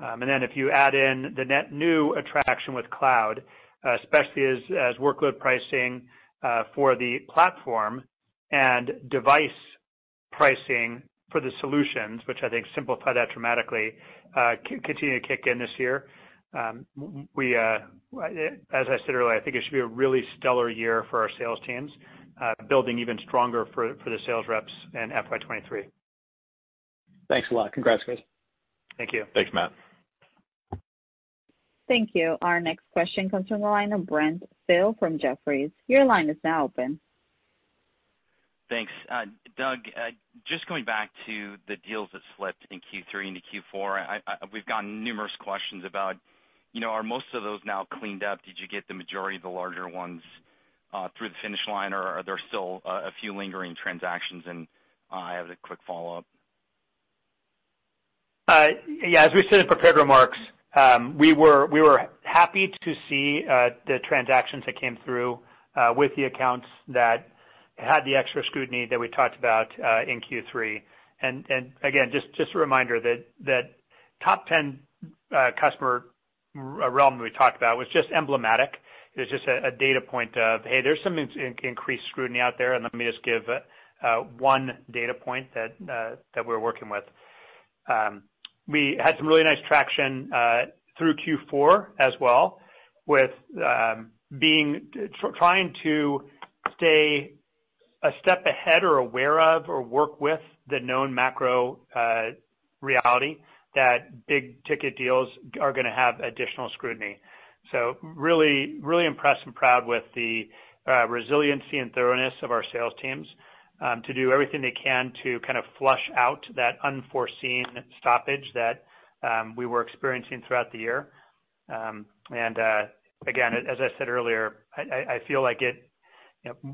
If you add in the net new attraction with cloud, especially as workload pricing for the platform and device pricing for the solutions, which I think simplify that dramatically, continue to kick in this year. As I said earlier, I think it should be a really stellar year for our sales teams, building even stronger for the sales reps in FY 2023. Thanks a lot. Congrats, guys. Thank you. Thanks, Matt. Thank you. Our next question comes from the line of Brent Thill from Jefferies. Your line is now open. Thanks. Doug, just going back to the deals that slipped in Q3 into Q4, we've gotten numerous questions about, are most of those now cleaned up? Did you get the majority of the larger ones through the finish line, or are there still a few lingering transactions? I have a quick follow-up. As we said in prepared remarks, we were happy to see the transactions that came through with the accounts that had the extra scrutiny that we talked about in Q3. Again, just a reminder that top 10 customer realm that we talked about was just emblematic. It was just a data point of, hey, there's some increased scrutiny out there, and let me just give one data point that we're working with. We had some really nice traction through Q4 as well with trying to stay a step ahead or aware of or work with the known macro reality that big-ticket deals are going to have additional scrutiny. Really impressed and proud with the resiliency and thoroughness of our sales teams to do everything they can to flush out that unforeseen stoppage that we were experiencing throughout the year. Again, as I said earlier, I feel like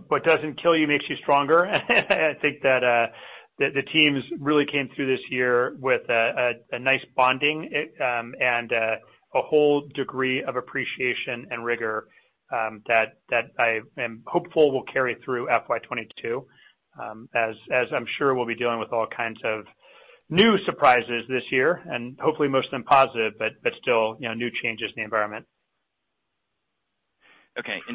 what doesn't kill you makes you stronger. I think that the teams really came through this year with a nice bonding and a whole degree of appreciation and rigor that I am hopeful will carry through FY 2022, as I'm sure we'll be dealing with all kinds of new surprises this year, and hopefully most of them positive, but still new changes in the environment.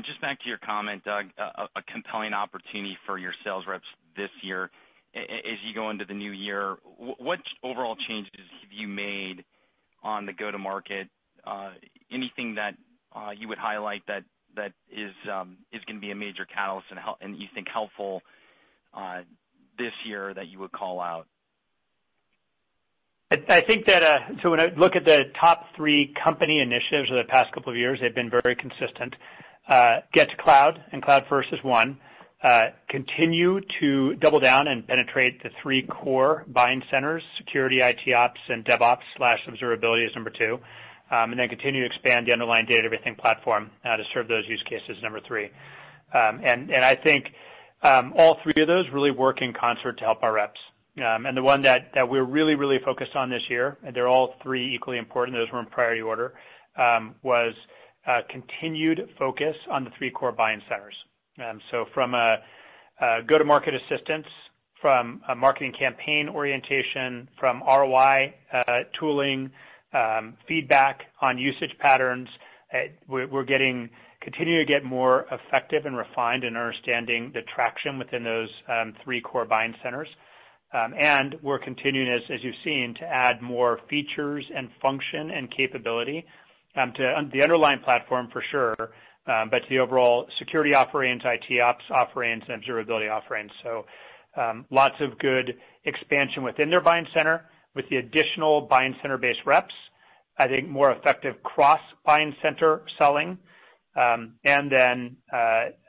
Just back to your comment, Doug, a compelling opportunity for your sales reps this year. As you go into the new year, what overall changes have you made on the go-to-market? Anything that you would highlight that is going to be a major catalyst and you think helpful this year that you would call out? When I look at the top three company initiatives over the past couple of years, they've been very consistent. Get to cloud, and cloud-first is one. Continue to double down and penetrate the three core buying centers, security, ITOps, and DevOps/observability is number two. Then continue to expand the underlying data everything platform to serve those use cases, number three. I think all three of those really work in concert to help our reps. The one that we're really focused on this year, and they're all three equally important, those were in priority order, was continued focus on the three core buying centers. From a go-to market assistance, from a marketing campaign orientation, from ROI tooling, feedback on usage patterns, we're continuing to get more effective and refined in understanding the traction within those three core buying centers. We're continuing, as you've seen, to add more features and function and capability to the underlying platform for sure, but to the overall security offerings, IT ops offerings, and observability offerings. Lots of good expansion within their buying center with the additional buying center based reps, I think more effective cross-buying center selling. Then,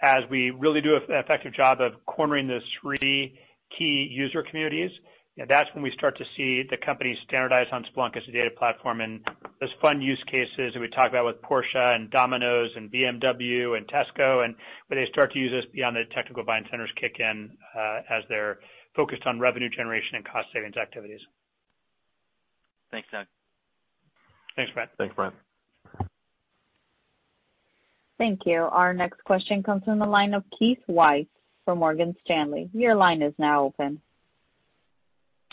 as we really do an effective job of cornering those three key user communities, that's when we start to see the company standardize on Splunk as a data platform. Those fun use cases that we talk about with Porsche and Domino's and BMW and Tesco, and where they start to use us beyond the technical buying centers kick in as they're focused on revenue generation and cost savings activities. Thanks, Doug. Thanks, Brent. Thanks, Brent. Thank you. Our next question comes from the line of Keith Weiss from Morgan Stanley. Your line is now open.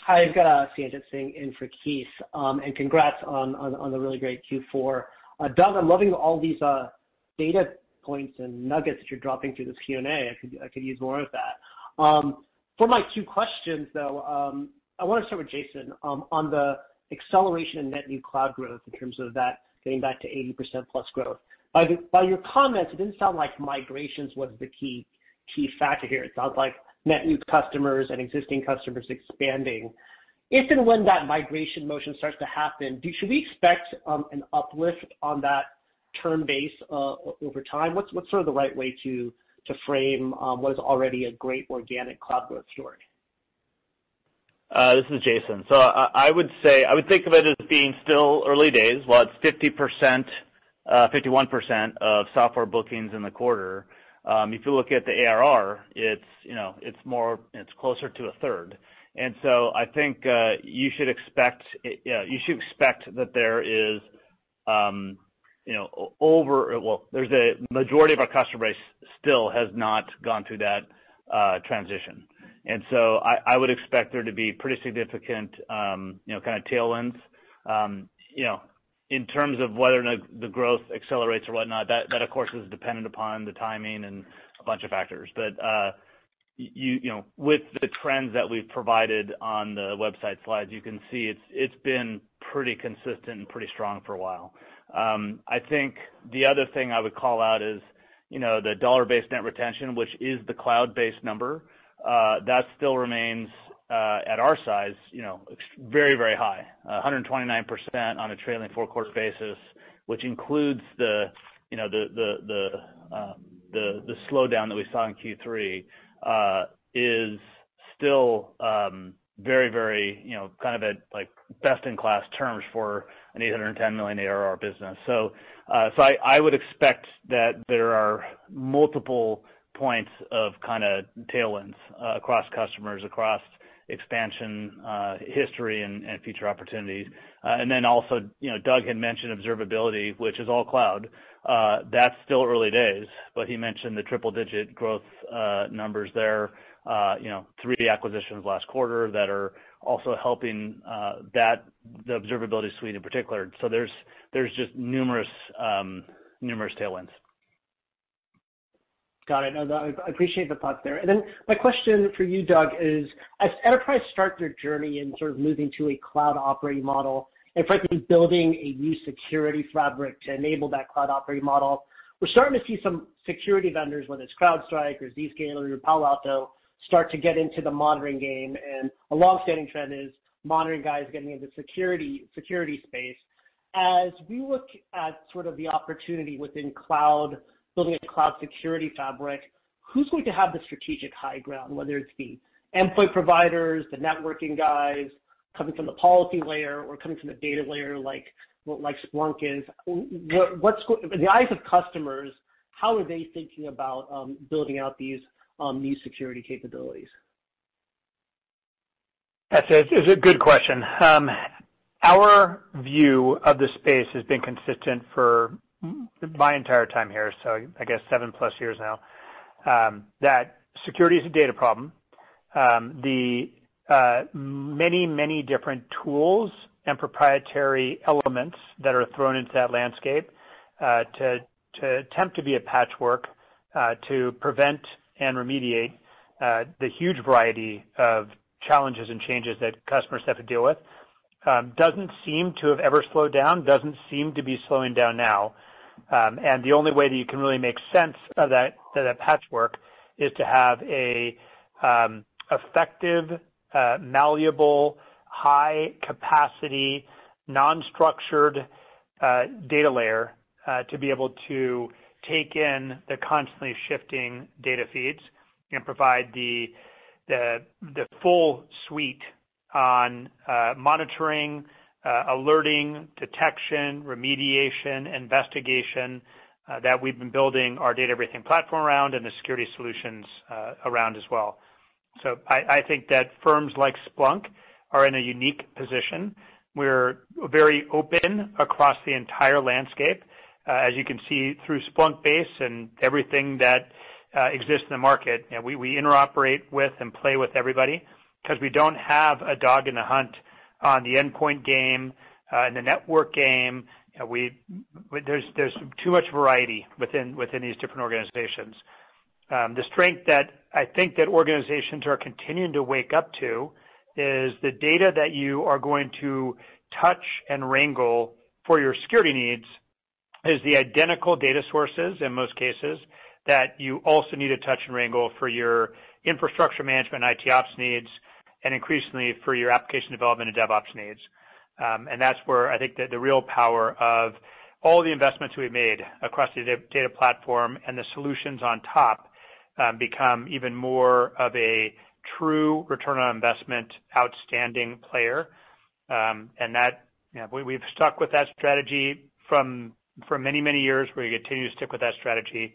Hi, Sanjit here sitting in for Keith. Congrats on the really great Q4. Doug, I'm loving all these data points and nuggets that you're dropping through this Q&A. I could use more of that. For my two questions, though, I want to start with Jason on the acceleration in net new cloud growth in terms of that getting back to 80%+ growth. By your comments, it didn't sound like migrations was the key factor here. It sounds like net new customers and existing customers expanding. If and when that migration motion starts to happen, should we expect an uplift on that term base over time? What's the right way to frame what is already a great organic cloud growth story? This is Jason. I would think of it as being still early days. While it's 51% of software bookings in the quarter, if you look at the ARR, it's closer to a third. I think you should expect that there's a majority of our customer base still has not gone through that transition. I would expect there to be pretty significant kind of tailwinds. In terms of whether or not the growth accelerates or whatnot, that of course, is dependent upon the timing and a bunch of factors. With the trends that we've provided on the website slides, you can see it's been pretty consistent and pretty strong for a while. I think the other thing I would call out is the dollar-based net retention, which is the cloud-based number. That still remains, at our size, very high. 129% on a trailing four-quarter basis, which includes the slowdown that we saw in Q3, is still very kind of at best in class terms for an $810 million ARR business. I would expect that there are multiple points of kind of tailwinds across customers, across expansion history and future opportunities. Doug had mentioned observability, which is all cloud. That's still early days, but he mentioned the triple digit growth numbers there. Three acquisitions last quarter that are also helping the Observability Suite in particular. There's just numerous tailwinds. Got it. No, I appreciate the thoughts there. My question for you, Doug, is as enterprise start their journey in sort of moving to a cloud operating model, and frankly, building a new security fabric to enable that cloud operating model, we're starting to see some security vendors, whether it's CrowdStrike or Zscaler or Palo Alto, start to get into the monitoring game. A longstanding trend is monitoring guys getting into security space. As we look at sort of the opportunity within cloud, building a cloud security fabric, who's going to have the strategic high ground, whether it's the endpoint providers, the networking guys coming from the policy layer, or coming from the data layer, like Splunk is. In the eyes of customers, how are they thinking about building out these security capabilities? That's a good question. Our view of the space has been consistent for my entire time here, so I guess seven plus years now, that security is a data problem. The many different tools and proprietary elements that are thrown into that landscape, to attempt to be a patchwork, to prevent and remediate the huge variety of challenges and changes that customers have to deal with, doesn't seem to have ever slowed down, doesn't seem to be slowing down now. The only way that you can really make sense of that patchwork is to have a effective, malleable, high capacity, non-structured data layer to be able to take in the constantly shifting data feeds and provide the full suite of monitoring, alerting, detection, remediation, investigation, that we've been building our data everything platform around, and the security solutions around as well. I think that firms like Splunk are in a unique position. We're very open across the entire landscape. As you can see through Splunkbase and everything that exists in the market, we interoperate with and play with everybody because we don't have a dog in the hunt on the endpoint game, in the network game. There's too much variety within these different organizations. The strength that I think that organizations are continuing to wake up to is the data that you are going to touch and wrangle for your security needs is the identical data sources in most cases, that you also need to touch and wrangle for your infrastructure management IT ops needs, and increasingly for your application development and DevOps needs. That's where I think the real power of all the investments we've made across the data platform and the solutions on top become even more of a true return on investment, outstanding player. We've stuck with that strategy for many years. We continue to stick with that strategy,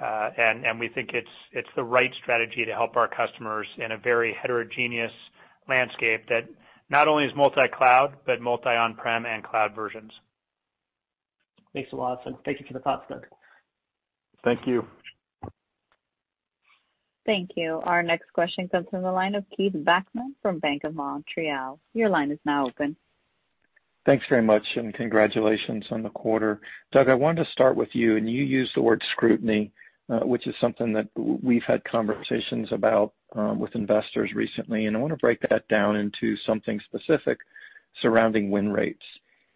and we think it's the right strategy to help our customers in a very heterogeneous landscape that not only is multi-cloud, but multi on-prem and cloud versions. Thanks a lot. Thank you for the thoughts, Doug. Thank you. Thank you. Our next question comes from the line of Keith Bachman from Bank of Montreal. Your line is now open. Thanks very much, and congratulations on the quarter. Doug, I wanted to start with you. You used the word scrutiny, which is something that we've had conversations about with investors recently, and I want to break that down into something specific surrounding win rates.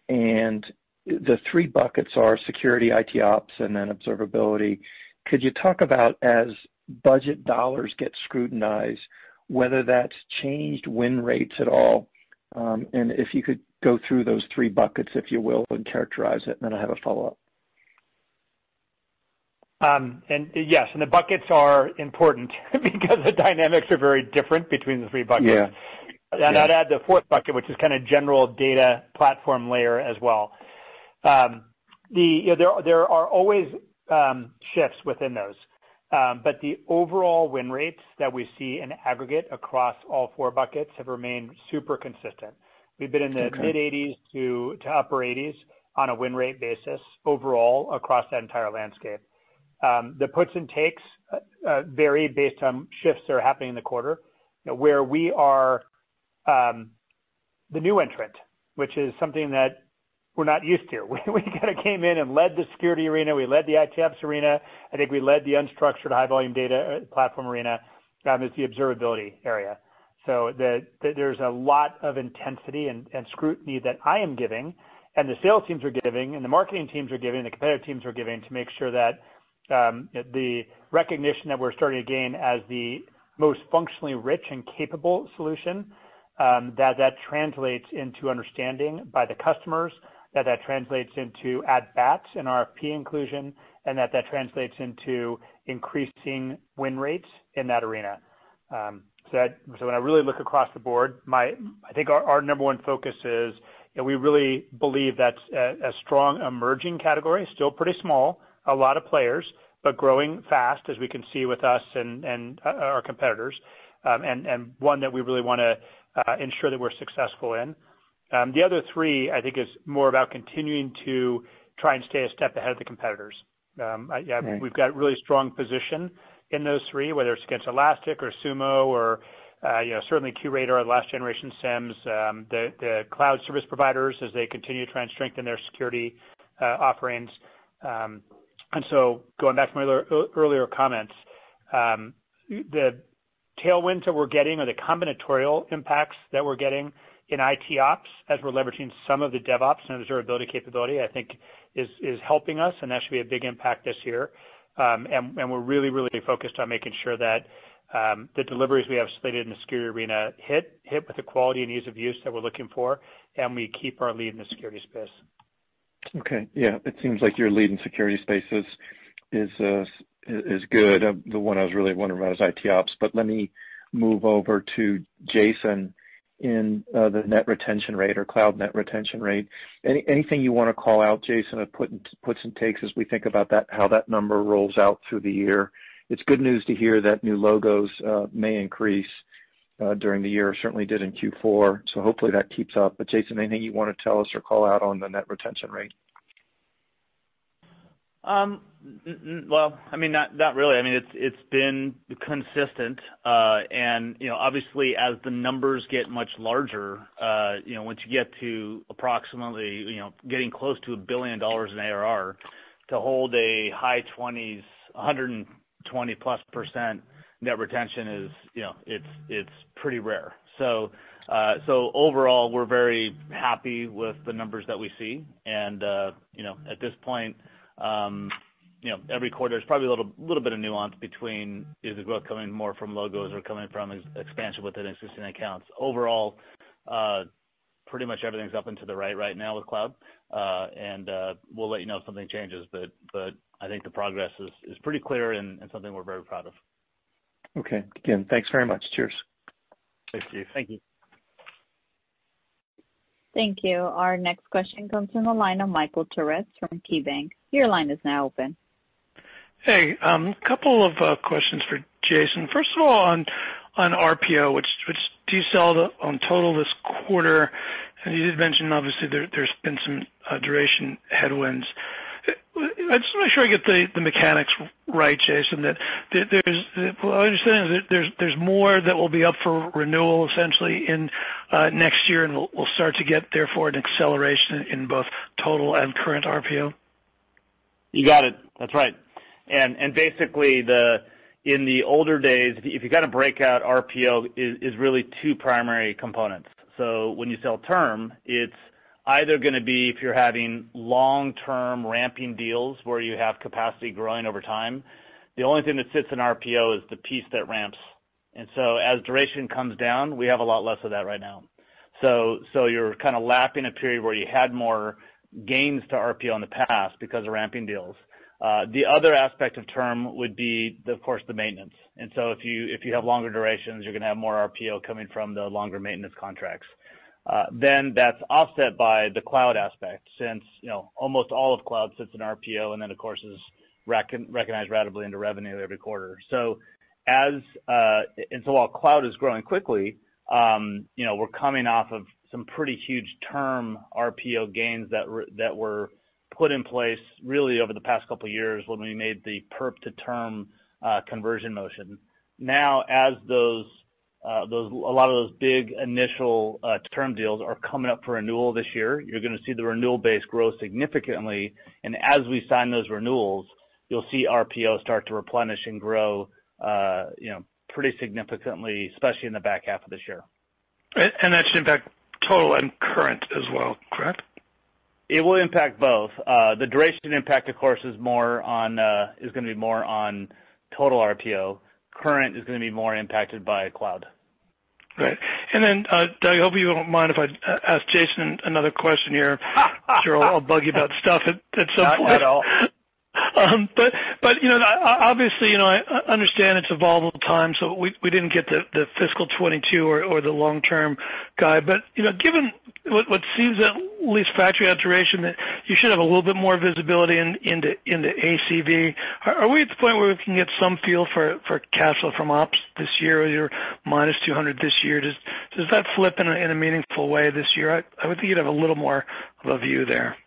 The three buckets are security, IT ops, and then observability. Could you talk about as budget dollars get scrutinized, whether that's changed win rates at all? If you could go through those three buckets, if you will, and characterize it, then I have a follow-up. Yes, the buckets are important because the dynamics are very different between the three buckets. Yeah. I'd add the fourth bucket, which is kind of general data platform layer as well. There are always shifts within those. The overall win rates that we see in aggregate across all four buckets have remained super consistent. Okay. We've been in the mid-80s to upper 80s on a win rate basis overall across that entire landscape. The puts and takes vary based on shifts that are happening in the quarter, where we are the new entrant, which is something that we're not used to. We kind of came in and led the security arena, we led the IT ops arena. I think we led the unstructured high volume data platform arena, now it's the observability area. There's a lot of intensity and scrutiny that I am giving, and the sales teams are giving, and the marketing teams are giving, the competitive teams are giving to make sure that the recognition that we're starting to gain as the most functionally rich and capable solution, that translates into understanding by the customers, that translates into add backs and RFP inclusion, and that translates into increasing win rates in that arena. When I really look across the board, I think our number one focus is we really believe that's a strong emerging category. Still pretty small, a lot of players, but growing fast, as we can see with us and our competitors. One that we really want to ensure that we're successful in. The other three, I think, is more about continuing to try and stay a step ahead of the competitors. Right. We've got a really strong position in those three, whether it's against Elastic or Sumo or certainly QRadar, our last generation SIEMs, the cloud service providers as they continue to try and strengthen their security offerings. Going back to my earlier comments, the tailwinds that we're getting or the combinatorial impacts that we're getting in IT ops as we're leveraging some of the DevOps and observability capability, I think is helping us, and that should be a big impact this year. We're really, really focused on making sure that the deliveries we have slated in the security arena hit with the quality and ease of use that we're looking for, and we keep our lead in the security space. Okay. Yeah. It seems like your lead in security space is good. The one I was really wondering about is IT ops, but let me move over to Jason in the net retention rate or cloud net retention rate. Anything you want to call out, Jason, of puts and takes as we think about how that number rolls out through the year? It's good news to hear that new logos may increase during the year, certainly did in Q4, so hopefully that keeps up. Jason, anything you want to tell us or call out on the net retention rate? Well, not really. It's been consistent. Obviously as the numbers get much larger, once you get to approximately getting close to a billion dollars in ARR, to hold a high 120%+ net retention is pretty rare. Overall, we're very happy with the numbers that we see. At this point, every quarter is probably a little bit of nuance between is the growth coming more from logos or coming from expansion within existing accounts. Pretty much everything's up into the right now with cloud. We'll let you know if something changes, but I think the progress is pretty clear and is something we're very proud of. Okay. Again, thanks very much. Cheers. Thank you. Thank you. Thank you. Our next question comes from the line of Michael Turits from KeyBanc. Hey, couple of questions for Jason. First of all, on RPO, which decelerated on total this quarter, and you did mention, obviously, there's been some duration headwinds. I just want to make sure I get the mechanics right, Jason. What I understand is that there's more that will be up for renewal essentially in next year, and we'll start to get, therefore, an acceleration in both total and current RPO. You got it. That's right. Basically, in the older days, if you've got to break out RPO is really two primary components. When you sell term, it's either going to be if you're having long-term ramping deals where you have capacity growing over time. The only thing that sits in RPO is the piece that ramps. As duration comes down, we have a lot less of that right now. You're kind of lapping a period where you had more gains to RPO in the past because of ramping deals. The other aspect of term would be, of course, the maintenance. If you have longer durations, you're going to have more RPO coming from the longer maintenance contracts. That's offset by the cloud aspect since almost all of cloud sits in RPO and then, of course, is recognized ratably into revenue every quarter. While cloud is growing quickly, we're coming off of some pretty huge term RPO gains that were put in place really over the past couple of years when we made the perp to term conversion motion. As a lot of those big initial term deals are coming up for renewal this year, you're going to see the renewal base grow significantly, and as we sign those renewals, you'll see RPO start to replenish and grow pretty significantly, especially in the back half of this year. That should impact total and current as well, correct? It will impact both. The duration impact, of course, is going to be more on total RPO. Current is going to be more impacted by cloud. Great. Doug, I hope you don't mind if I ask Jason another question here. I'm sure I'll bug you about stuff at some point. Not at all. Obviously, I understand it's evolving all the time, so we didn't get the fiscal 2022 or the long term guide. Given what seems at least factory, that you should have a little bit more visibility into ACV, are we at the point where we can get some feel for cash flow from ops this year with your -$200 this year? Does that flip in a meaningful way this year? I would think you'd have a little more of a view there.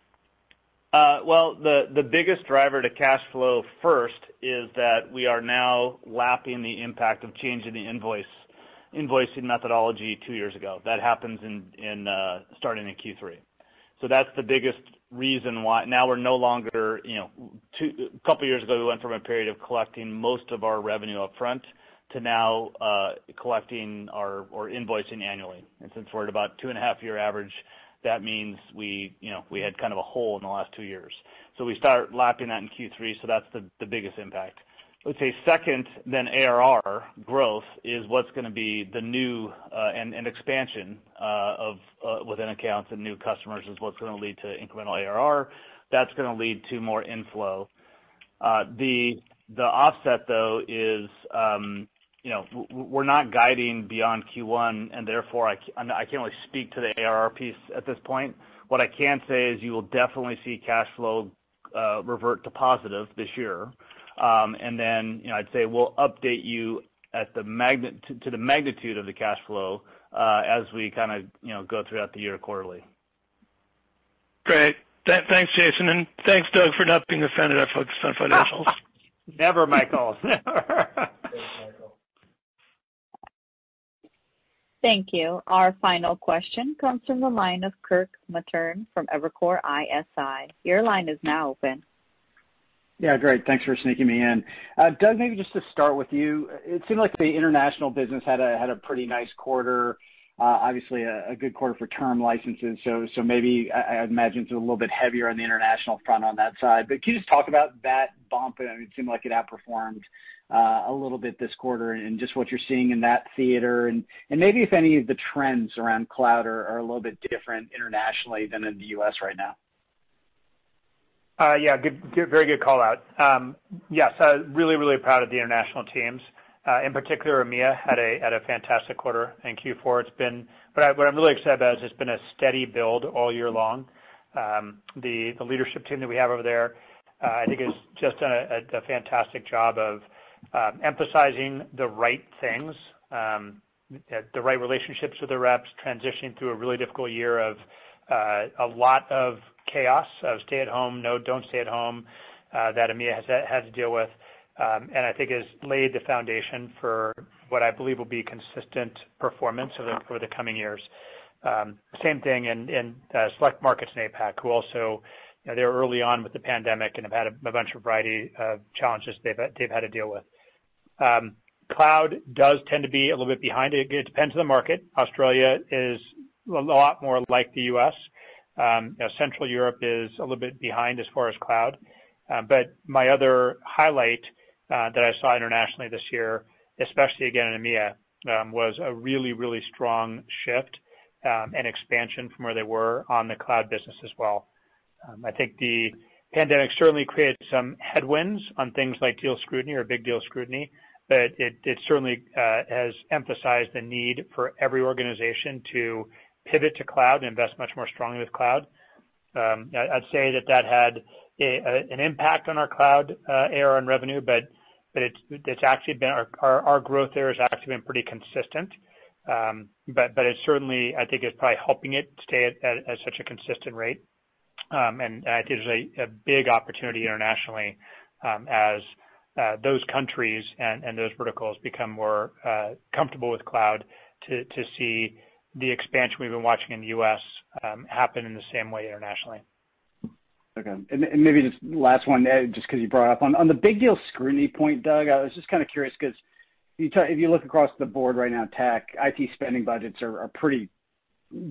Well, the biggest driver to cash flow first is that we are now lapping the impact of changing the invoicing methodology two years ago. That happens starting in Q3. That's the biggest reason why now we're no longer A couple of years ago, we went from a period of collecting most of our revenue upfront to now collecting or invoicing annually. Since we're at about two and a half year average, that means we had kind of a hole in the last two years. We start lapping that in Q3, so that's the biggest impact. I would say second, then ARR growth is what's going to be the new and expansion within accounts and new customers is what's going to lead to incremental ARR. That's going to lead to more inflow. The offset, though, is we're not guiding beyond Q1. Therefore, I can only speak to the ARR piece at this point. What I can say is you will definitely see cash flow revert to positive this year. Then I'd say we'll update you to the magnitude of the cash flow as we go throughout the year quarterly. Great. Thanks, Jason, and thanks, Doug, for not being offended I focused on financials. Never, Michael. Thank you. Our final question comes from the line of Kirk Materne from Evercore ISI. Your line is now open. Yeah, great. Thanks for sneaking me in. Doug, maybe just to start with you, it seemed like the international business had a pretty nice quarter. Obviously, a good quarter for term licenses. Maybe I imagine it's a little bit heavier on the international front on that side. Can you just talk about that bump? It seemed like it outperformed a little bit this quarter and just what you're seeing in that theater, and maybe if any of the trends around cloud are a little bit different internationally than in the U.S. right now. Yeah, very good call out. Yes, really proud of the international teams. In particular, EMEA had a fantastic quarter in Q4. What I'm really excited about is it's been a steady build all year long. The leadership team that we have over there, I think, has just done a fantastic job of emphasizing the right things, the right relationships with the reps, transitioning through a really difficult year of a lot of chaos, of stay at home, no, don't stay at home, that EMEA has had to deal with. I think has laid the foundation for what I believe will be consistent performance over the coming years. Same thing in select markets in APAC, who also, they were early on with the pandemic and have had a bunch of variety of challenges they've had to deal with. Cloud does tend to be a little bit behind it. It depends on the market. Australia is a lot more like the U.S. Central Europe is a little bit behind as far as cloud. My other highlight that I saw internationally this year, especially again in EMEA, was a really, really strong shift and expansion from where they were on the cloud business as well. I think the pandemic certainly created some headwinds on things like deal scrutiny or big deal scrutiny, but it certainly has emphasized the need for every organization to pivot to cloud and invest much more strongly with cloud. I'd say that that had an impact on our Cloud ARR on revenue, but our growth there has actually been pretty consistent. It certainly, I think, is probably helping it stay at such a consistent rate. I think there's a big opportunity internationally as those countries and those verticals become more comfortable with cloud to see the expansion we've been watching in the U.S. happen in the same way internationally. Okay. Maybe just last one, just because you brought it up. On the big deal scrutiny point, Doug, I was just kind of curious, because if you look across the board right now, tech, IT spending budgets are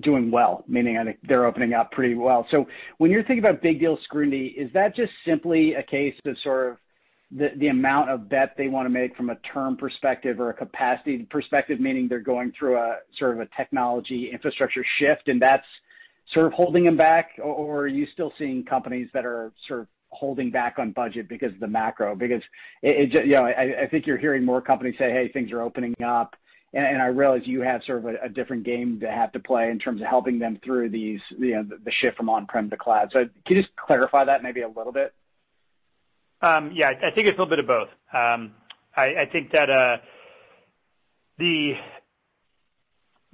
doing well, meaning they're opening up pretty well. When you're thinking about big deal scrutiny, is that just simply a case of sort of the amount of bet they want to make from a term perspective or a capacity perspective, meaning they're going through a technology infrastructure shift, and that's sort of holding them back? Or are you still seeing companies that are sort of holding back on budget because of the macro? I think you're hearing more companies say, "Hey, things are opening up." I realize you have sort of a different game to have to play in terms of helping them through the shift from on-prem to cloud. Can you just clarify that maybe a little bit? I think it's a little bit of both. I think that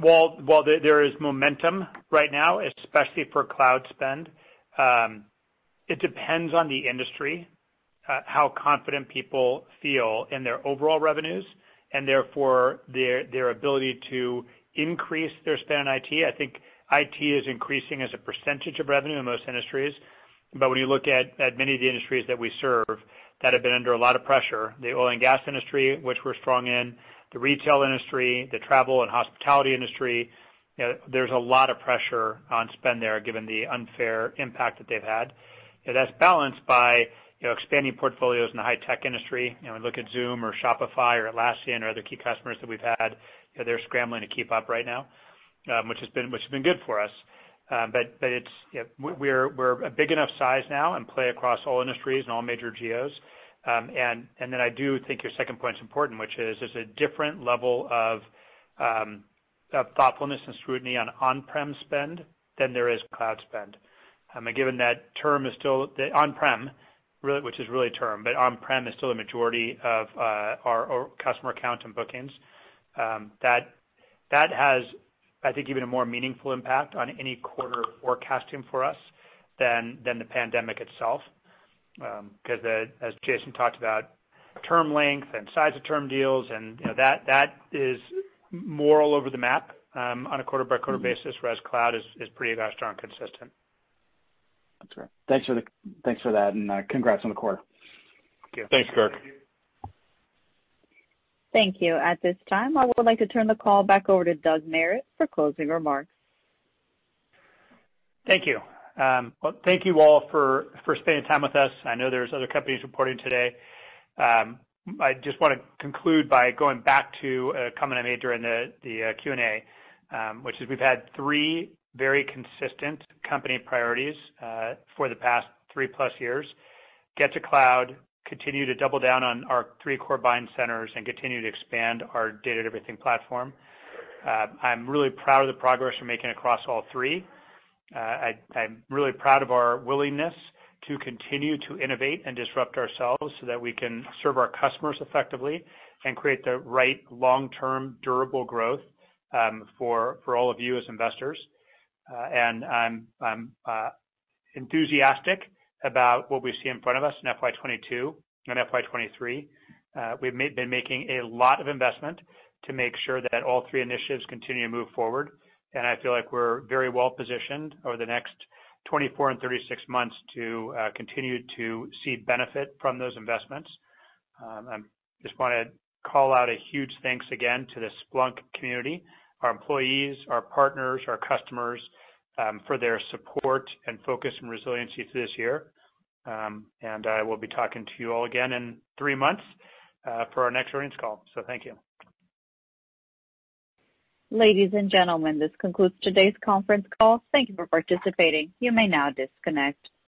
while there is momentum right now, especially for cloud spend, it depends on the industry, how confident people feel in their overall revenues and therefore their ability to increase their spend on IT. I think IT is increasing as a percentage of revenue in most industries. When you look at many of the industries that we serve that have been under a lot of pressure, the oil and gas industry, which we're strong in, the retail industry, the travel and hospitality industry, there's a lot of pressure on spend there given the unfair impact that they've had. That's balanced by expanding portfolios in the high-tech industry. We look at Zoom or Shopify or Atlassian or other key customers that we've had. They're scrambling to keep up right now, which has been good for us. We're a big enough size now and play across all industries and all major geos. I do think your second point's important, which is there's a different level of thoughtfulness and scrutiny on on-prem spend than there is cloud spend. Given that term is still on-prem, which is really term, but on-prem is still a majority of our customer accounts and bookings. That has, I think, even a more meaningful impact on any quarter forecasting for us than the pandemic itself. As Jason talked about, term length and size of term deals, and that is more all over the map on a quarter-by-quarter basis, whereas cloud is pretty strong, consistent. That's great. Thanks for that, and congrats on the quarter. Thank you. Thanks, Kirk. Thank you. At this time, I would like to turn the call back over to Doug Merritt for closing remarks. Thank you. Well, thank you all for spending time with us. I know there's other companies reporting today. I just want to conclude by going back to a comment I made during the Q&A, which is we've had three very consistent company priorities for the past three-plus years. Get to cloud, continue to double down on our three core buying centers, and continue to expand our data everything platform. I'm really proud of the progress we're making across all three. I'm really proud of our willingness to continue to innovate and disrupt ourselves so that we can serve our customers effectively and create the right long-term, durable growth for all of you as investors. I'm enthusiastic about what we see in front of us in FY 2022 and FY 2023. We've been making a lot of investment to make sure that all three initiatives continue to move forward, and I feel like we're very well-positioned over the next 24 and 36 months to continue to see benefit from those investments. I just want to call out a huge thanks again to the Splunk community, our employees, our partners, our customers, for their support and focus and resiliency through this year. I will be talking to you all again in three months for our next earnings call. Thank you. Ladies and gentlemen, this concludes today's conference call. Thank you for participating. You may now disconnect.